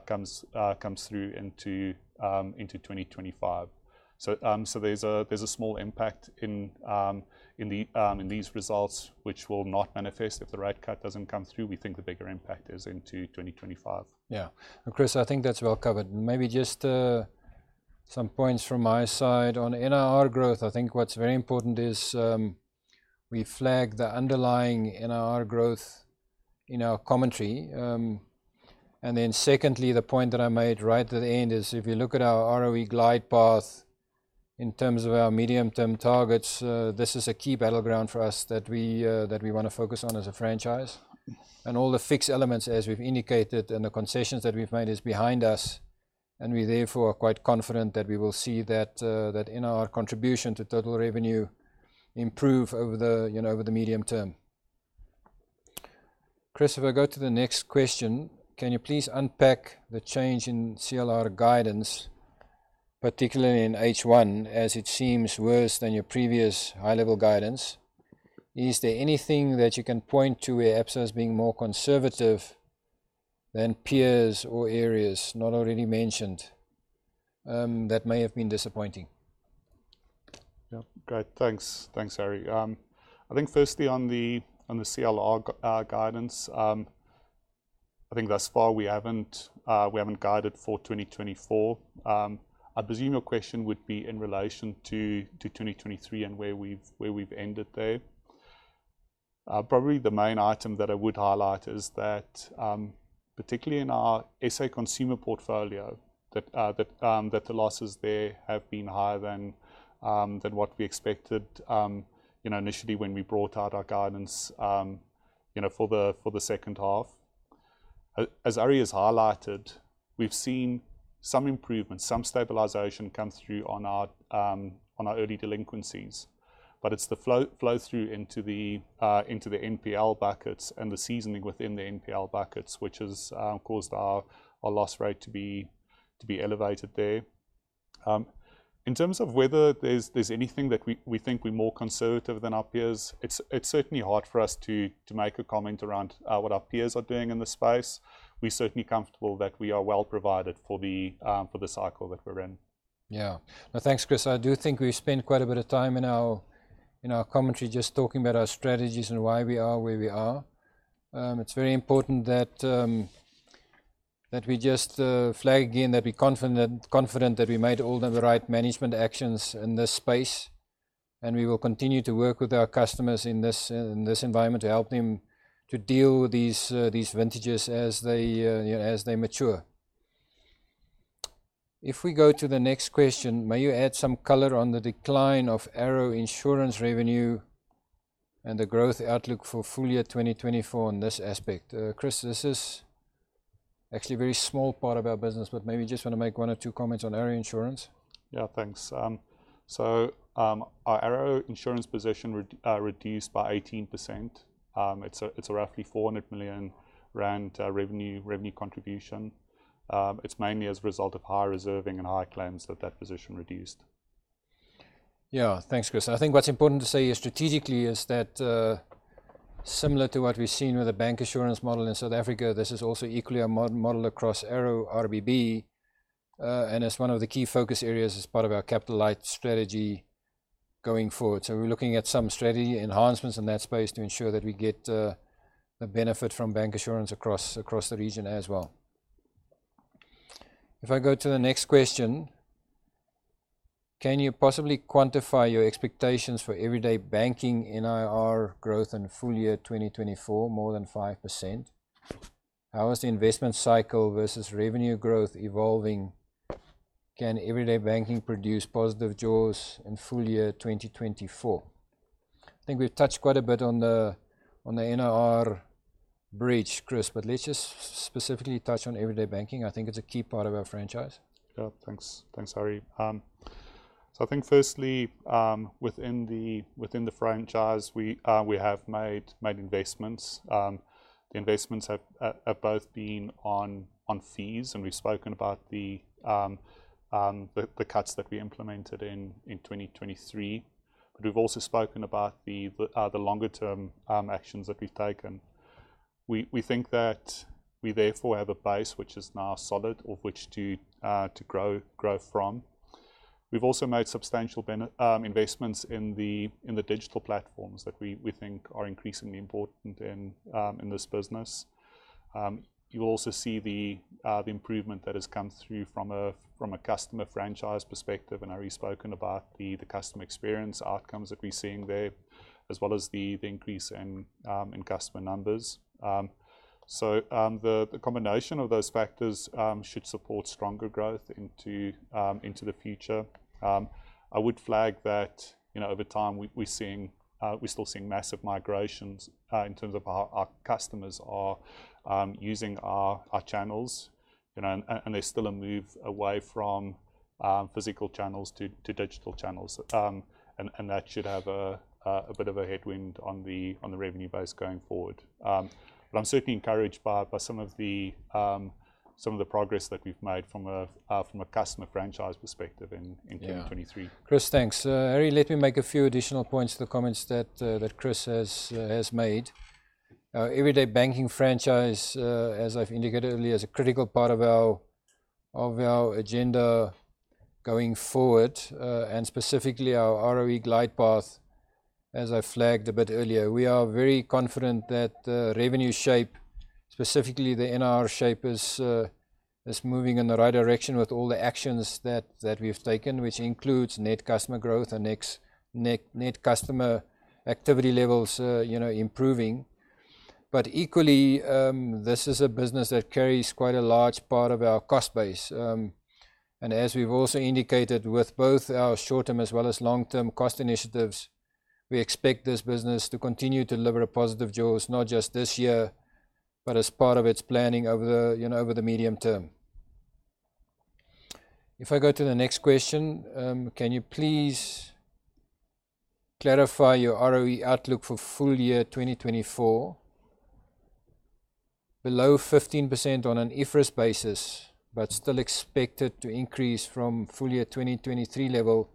B: comes through into 2025. So, there's a small impact in these results, which will not manifest if the rate cut doesn't come through. We think the bigger impact is into 2025.
A: Yeah. And Chris, I think that's well covered. Maybe just some points from my side. On NII growth, I think what's very important is we flag the underlying NII growth in our commentary. And then secondly, the point that I made right at the end is if you look at our ROE glide path in terms of our medium-term targets, this is a key battleground for us that we that we wanna focus on as a franchise. And all the fixed elements, as we've indicated, and the concessions that we've made is behind us, and we therefore are quite confident that we will see that that NII contribution to total revenue improve over the, you know, over the medium term. Chris, if I go to the next question: "Can you please unpack the change in CLR guidance, particularly in H1, as it seems worse than your previous high-level guidance? Is there anything that you can point to where Absa is being more conservative than peers or areas not already mentioned, that may have been disappointing?
B: Yeah. Great. Thanks. Thanks, Arrie. I think firstly on the CLR guidance, I think thus far we haven't guided for 2024. I presume your question would be in relation to 2023 and where we've ended there. Probably the main item that I would highlight is that, particularly in our SA consumer portfolio, that the losses there have been higher than what we expected, you know, initially when we brought out our guidance, you know, for the second half. As Arrie has highlighted, we've seen some improvement, some stabilization come through on our early delinquencies, but it's the flow-through into the NPL buckets and the seasoning within the NPL buckets, which has caused our loss rate to be elevated there. In terms of whether there's anything that we think we're more conservative than our peers, it's certainly hard for us to make a comment around what our peers are doing in the space. We're certainly comfortable that we are well provided for the cycle that we're in.
A: Yeah. No, thanks, Chris. I do think we spent quite a bit of time in our, in our commentary just talking about our strategies and why we are where we are. It's very important that we just flag again that we're confident, confident that we made all the right management actions in this space, and we will continue to work with our customers in this environment to help them to deal with these, these vintages as they, you know, as they mature. If we go to the next question: "May you add some color on the decline of ARO Insurance revenue and the growth outlook for full year 2024 in this aspect?" Chris, this is actually a very small part of our business, but maybe you just want to make one or two comments on ARO Insurance.
B: Yeah, thanks. So, our ARO Insurance position reduced by 18%. It's a, it's a roughly 400 million rand revenue, revenue contribution. It's mainly as a result of higher reserving and higher claims that that position reduced.
A: Yeah. Thanks, Chris. I think what's important to say strategically is that, similar to what we've seen with the bancassurance model in South Africa, this is also equally a model across ARO RBB, and it's one of the key focus areas as part of our capital-light strategy going forward. So we're looking at some strategy enhancements in that space to ensure that we get the benefit from bancassurance across the region as well. If I go to the next question: "Can you possibly quantify your expectations for Everyday Banking NII growth in full year 2024, more than 5%? How is the investment cycle versus revenue growth evolving? Can Everyday Banking produce positive jaws in full year 2024?" I think we've touched quite a bit on the NII bridge, Chris, but let's just specifically touch on Everyday Banking. I think it's a key part of our franchise.
B: Yeah. Thanks. Thanks, Arrie. So I think firstly, within the franchise, we have made investments. The investments have both been on fees, and we've spoken about the cuts that we implemented in 2023, but we've also spoken about the longer-term actions that we've taken. We think that we therefore have a base which is now solid of which to grow from. We've also made substantial investments in the digital platforms that we think are increasingly important in this business. You will also see the improvement that has come through from a customer franchise perspective, and Arrie spoken about the customer experience outcomes that we're seeing there, as well as the increase in customer numbers. So, the combination of those factors should support stronger growth into the future. I would flag that, you know, over time, we're still seeing massive migrations in terms of how our customers are using our channels. You know, and there's still a move away from physical channels to digital channels. And that should have a bit of a headwind on the revenue base going forward. But I'm certainly encouraged by some of the progress that we've made from a customer franchise perspective in 2023.
A: Yeah. Chris, thanks. Arrie, let me make a few additional points to the comments that that Chris has has made. Everyday Banking franchise as I've indicated earlier is a critical part of our of our agenda going forward and specifically our ROE glide path as I flagged a bit earlier. We are very confident that the revenue shape specifically the NIR shape is is moving in the right direction with all the actions that that we've taken which includes net customer growth and next net net customer activity levels you know improving. But equally this is a business that carries quite a large part of our cost base. and as we've also indicated with both our short-term as well as long-term cost initiatives, we expect this business to continue to deliver a positive jaws, not just this year, but as part of its planning over the, you know, over the medium term. If I go to the next question: can you please clarify your ROE outlook for full year 2024? Below 15% on an IFRS basis, but still expected to increase from full year 2023 level,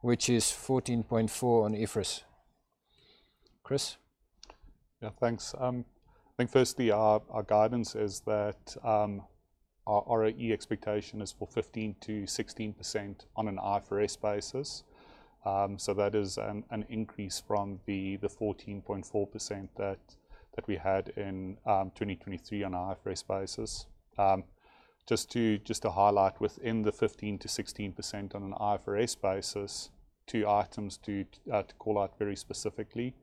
A: which is 14.4 on IFRS. Chris?
B: Yeah, thanks. I think firstly, our guidance is that our ROE expectation is for 15%-16% on an IFRS basis. So that is an increase from the 14.4% that we had in 2023 on an IFRS basis. Just to highlight within the 15%-16% on an IFRS basis, two items to call out very specifically.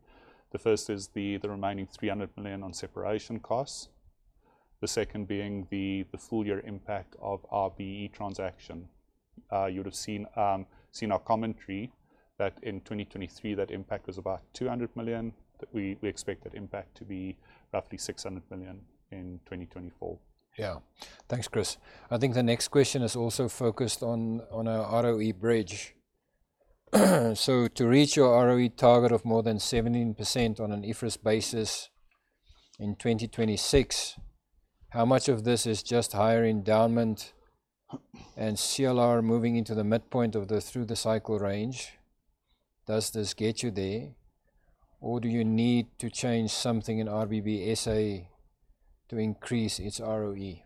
B: The first is the remaining 300 million on separation costs. The second being the full year impact of RBE transaction. You would have seen our commentary that in 2023, that impact was about 200 million, that we expect that impact to be roughly 600 million in 2024.
A: Yeah. Thanks, Chris. I think the next question is also focused on our ROE bridge. So to reach your ROE target of more than 17% on an IFRS basis in 2026, how much of this is just higher endowment and CLR moving into the midpoint of the through-the-cycle range? Does this get you there, or do you need to change something in RBBSA to increase its ROE?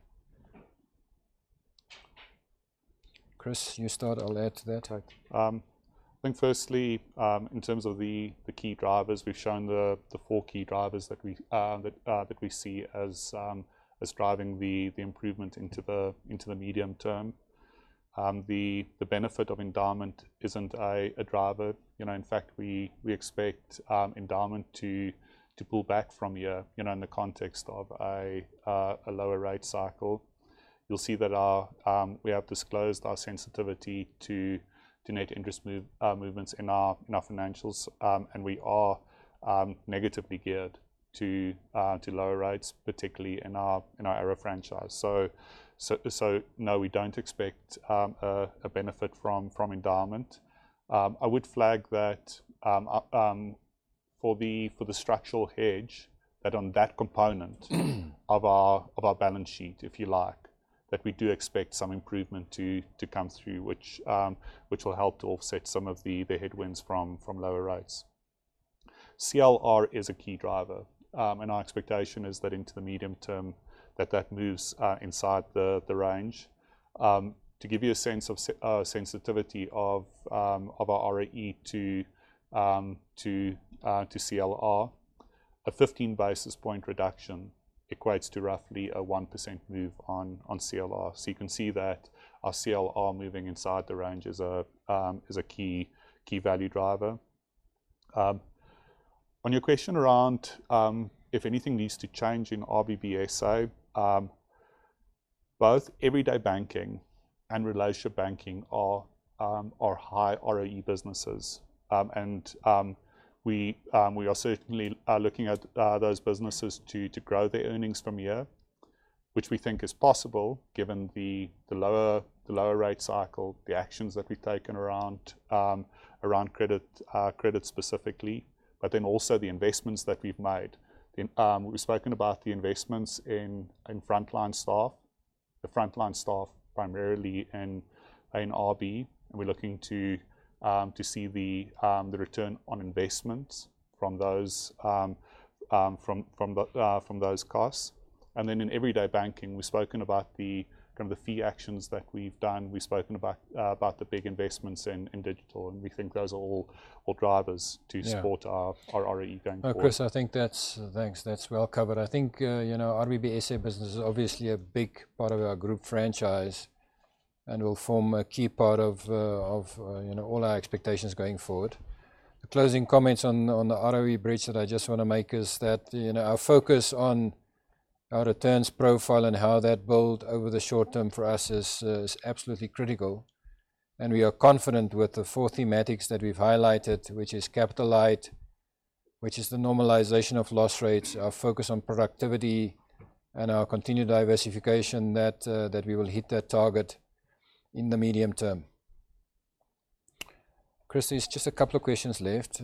A: Chris, you start, I'll add to that.
B: Right. I think firstly, in terms of the key drivers, we've shown the four key drivers that we see as driving the improvement into the medium term. The benefit of endowment isn't a driver. You know, in fact, we expect endowment to pull back from here, you know, in the context of a lower rate cycle. You'll see that our... We have disclosed our sensitivity to net interest movements in our financials, and we are negatively geared to lower rates, particularly in our RBB franchise. So, no, we don't expect a benefit from endowment. I would flag that, for the structural hedge, that on that component of our balance sheet, if you like, that we do expect some improvement to come through, which will help to offset some of the headwinds from lower rates. CLR is a key driver, and our expectation is that into the medium term, that moves inside the range. To give you a sense of sensitivity of our ROE to CLR, a 15 basis point reduction equates to roughly a 1% move on CLR. So you can see that our CLR moving inside the range is a key value driver. On your question around if anything needs to change in RBB's ROE, both Everyday Banking and Relationship Banking are high ROE businesses. And we are certainly looking at those businesses to grow their earnings from here, which we think is possible given the lower rate cycle, the actions that we've taken around credit specifically, but then also the investments that we've made. Then, we've spoken about the investments in frontline staff. The frontline staff primArriely in RB, and we're looking to see the return on investment from those costs... and then in Everyday Banking, we've spoken about the kind of fee actions that we've done. We've spoken about the big investments in digital, and we think those are all drivers to support-
A: Yeah...
B: our ROE going forward.
A: Chris, I think that's, thanks, that's well covered. I think, you know, RBB SA business is obviously a big part of our group franchise and will form a key part of, of, you know, all our expectations going forward. The closing comments on the ROE bridge that I just wanna make is that, you know, our focus on our returns profile and how that build over the short term for us is absolutely critical. We are confident with the four thematics that we've highlighted, which is capital light, which is the normalization of loss rates, our focus on productivity, and our continued diversification that we will hit that target in the medium term. Chris, there's just a couple of questions left.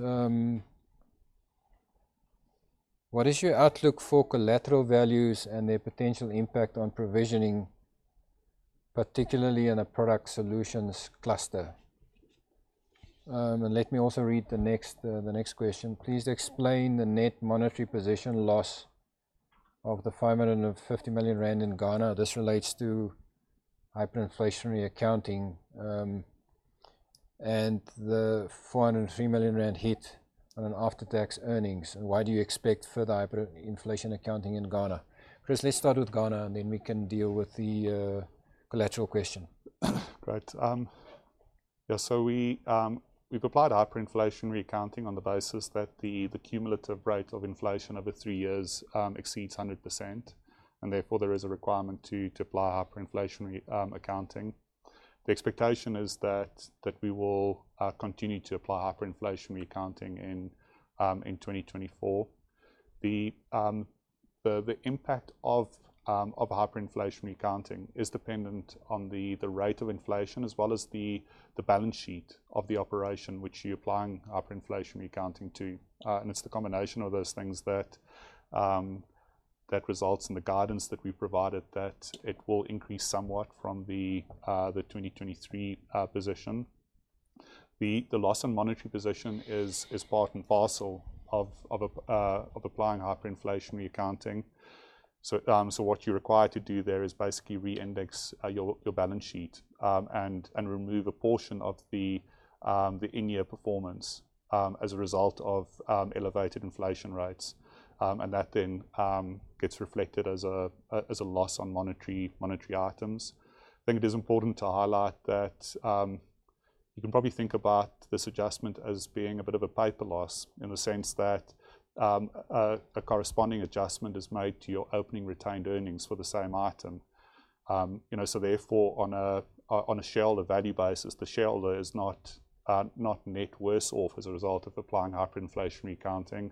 A: What is your outlook for collateral values and their potential impact on provisioning, particularly in a Product Solutions Cluster? Let me also read the next question. Please explain the net monetary position loss of 550 million rand in Ghana. This relates to hyperinflationary accounting, and the 403 million rand hit on an after-tax earnings, and why do you expect further hyperinflation accounting in Ghana? Chris, let's start with Ghana, and then we can deal with the collateral question.
B: Great. We've applied hyperinflationary accounting on the basis that the cumulative rate of inflation over three years exceeds 100%, and therefore, there is a requirement to apply hyperinflationary accounting. The expectation is that we will continue to apply hyperinflationary accounting in 2024. The impact of hyperinflationary accounting is dependent on the rate of inflation as well as the balance sheet of the operation which you're applying hyperinflationary accounting to. And it's the combination of those things that results in the guidance that we provided, that it will increase somewhat from the 2023 position. The loss on monetary position is part and parcel of applying hyperinflationary accounting. So what you're required to do there is basically re-index your balance sheet and remove a portion of the in-year performance as a result of elevated inflation rates. And that then gets reflected as a loss on monetary, monetary items. I think it is important to highlight that you can probably think about this adjustment as being a bit of a paper loss, in the sense that a corresponding adjustment is made to your opening retained earnings for the same item. You know, so therefore, on a shareholder value basis, the shareholder is not net worse off as a result of applying hyperinflationary accounting.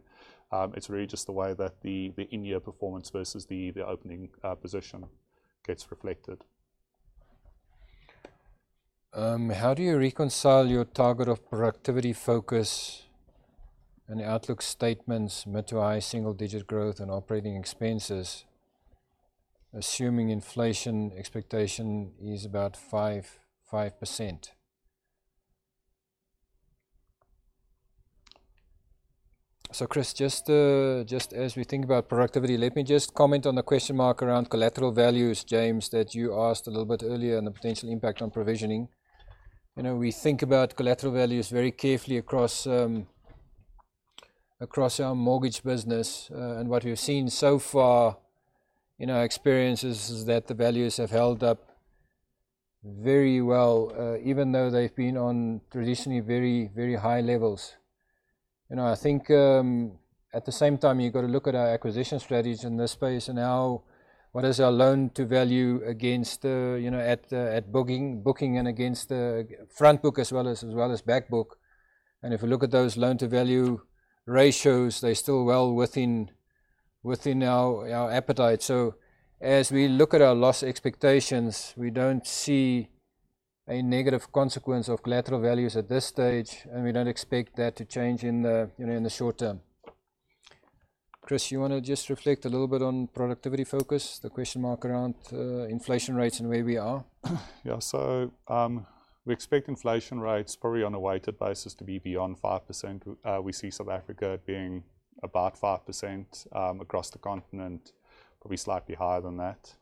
B: It's really just the way that the in-year performance versus the opening position gets reflected.
A: How do you reconcile your target of productivity focus and the outlook statements mid to high single-digit growth and operating expenses, assuming inflation expectation is about 5.5%? So, Chris, just as we think about productivity, let me just comment on the question mark around collateral values, James, that you asked a little bit earlier, and the potential impact on provisioning. You know, we think about collateral values very carefully across our mortgage business. And what we've seen so far in our experience is that the values have held up very well, even though they've been on traditionally very, very high levels. You know, I think, at the same time, you've got to look at our acquisition strategies in this space and how... What is our loan-to-value against, you know, at, at booking, booking and against front book as well as, as well as back book. And if we look at those loan-to-value ratios, they're still well within, within our, our appetite. So as we look at our loss expectations, we don't see a negative consequence of collateral values at this stage, and we don't expect that to change in the, you know, in the short term. Chris, you want to just reflect a little bit on productivity focus, the question mark around inflation rates and where we are?
B: Yeah. So, we expect inflation rates probably on a weighted basis to be beyond 5%. We see South Africa being about 5%, across the continent, probably slightly higher than that.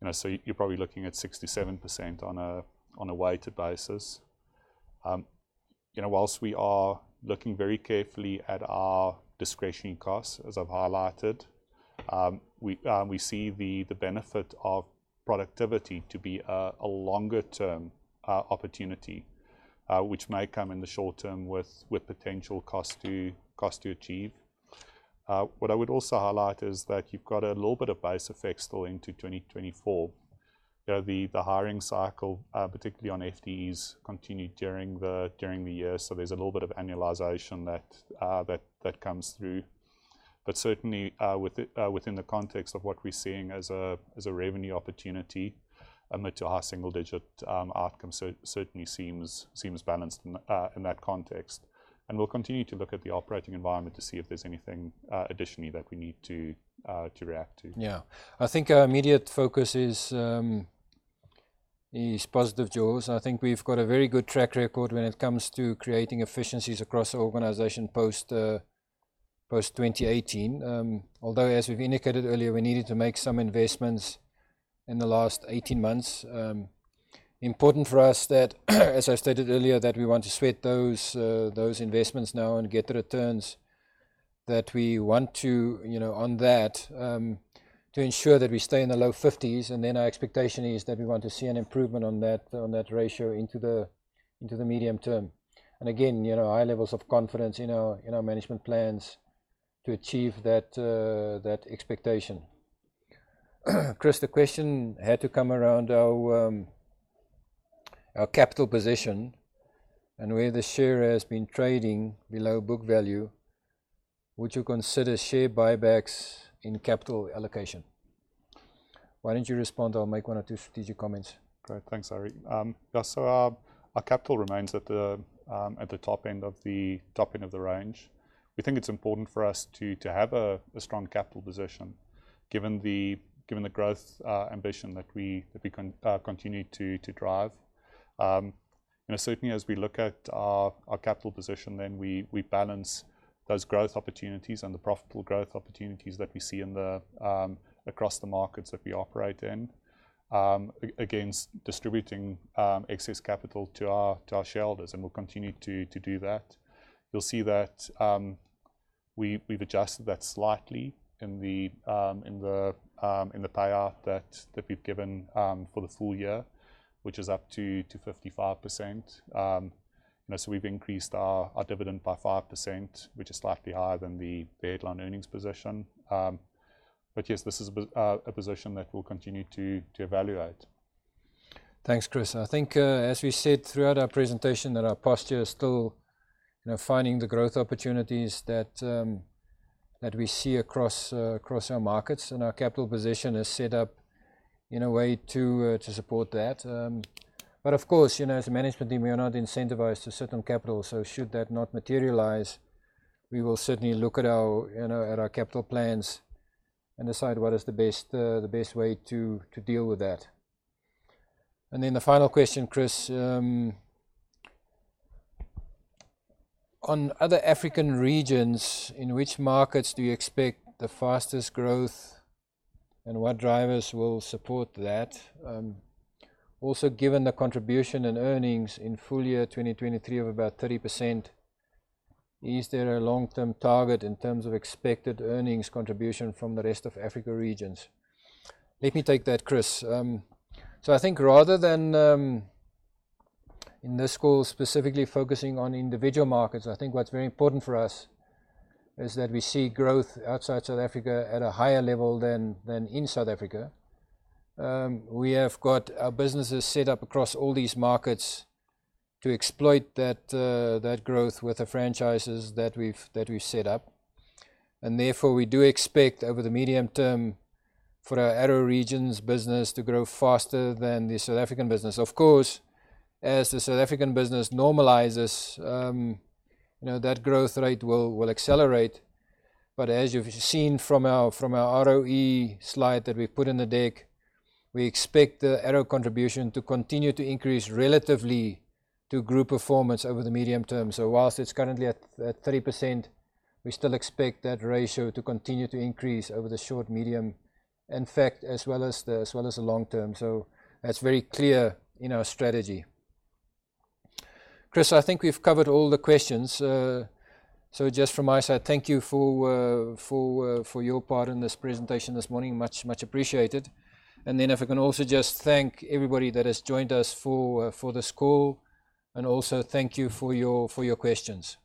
B: You know, so you're probably looking at 67% on a weighted basis. You know, while we are looking very carefully at our discretionary costs, as I've highlighted, we see the benefit of productivity to be a longer-term opportunity, which may come in the short term with potential cost to achieve. What I would also highlight is that you've got a little bit of base effect still into 2024. You know, the hiring cycle, particularly on FTEs, continued during the year, so there's a little bit of annualization that comes through. But certainly, with the within the context of what we're seeing as a revenue opportunity, a mid- to high single-digit outcome certainly seems balanced in that context. And we'll continue to look at the operating environment to see if there's anything additionally that we need to react to.
A: Yeah. I think our immediate focus is, Yes, positive, jaws, and I think we've got a very good track record when it comes to creating efficiencies across the organization post, post-2018. Although, as we've indicated earlier, we needed to make some investments in the last 18 months. Important for us that, as I stated earlier, that we want to sweat those, those investments now and get the returns that we want to, you know, on that, to ensure that we stay in the low 50s, and then our expectation is that we want to see an improvement on that, on that ratio into the, into the medium term. And again, you know, high levels of confidence in our, in our management plans to achieve that, that expectation. Chris, the question had to come around our our capital position and where the share has been trading below book value. Would you consider share buybacks in capital allocation? Why don't you respond, I'll make one or two strategic comments.
B: Great. Thanks, Arrie. Yeah, so our capital remains at the top end of the range. We think it's important for us to have a strong capital position, given the growth ambition that we continue to drive. You know, certainly as we look at our capital position, then we balance those growth opportunities and the profitable growth opportunities that we see across the markets that we operate in against distributing excess capital to our shareholders, and we'll continue to do that. You'll see that we've adjusted that slightly in the payout that we've given for the full year, which is up to 55%. You know, so we've increased our dividend by 5%, which is slightly higher than the baseline earnings position. But yes, this is a position that we'll continue to evaluate.
A: Thanks, Chris. I think, as we said throughout our presentation, that our posture is still, you know, finding the growth opportunities that, that we see across, across our markets, and our capital position is set up in a way to, to support that. But of course, you know, as a management team, we are not incentivized to sit on capital, so should that not materialize, we will certainly look at our, you know, at our capital plans and decide what is the best, the best way to, to deal with that. And then the final question, Chris, on other African regions, in which markets do you expect the fastest growth, and what drivers will support that? Also, given the contribution in earnings in full year 2023 of about 30%, is there a long-term target in terms of expected earnings contribution from the rest of Africa Regions? Let me take that, Chris. So I think rather than in this call, specifically focusing on individual markets, I think what's very important for us is that we see growth outside South Africa at a higher level than in South Africa. We have got our businesses set up across all these markets to exploit that growth with the franchises that we've set up, and therefore, we do expect over the medium term for our other regions business to grow faster than the South African business. Of course, as the South African business normalizes, you know, that growth rate will, will accelerate, but as you've seen from our, from our ROE slide that we put in the deck, we expect the ARO contribution to continue to increase relatively to group performance over the medium term. So whilst it's currently at, at 3%, we still expect that ratio to continue to increase over the short, medium, in fact, as well as the, as well as the long term. So that's very clear in our strategy. Chris, I think we've covered all the questions, so just from my side, thank you for, for, for your part in this presentation this morning. Much, much appreciated. And then if I can also just thank everybody that has joined us for, for this call, and also thank you for your, for your questions.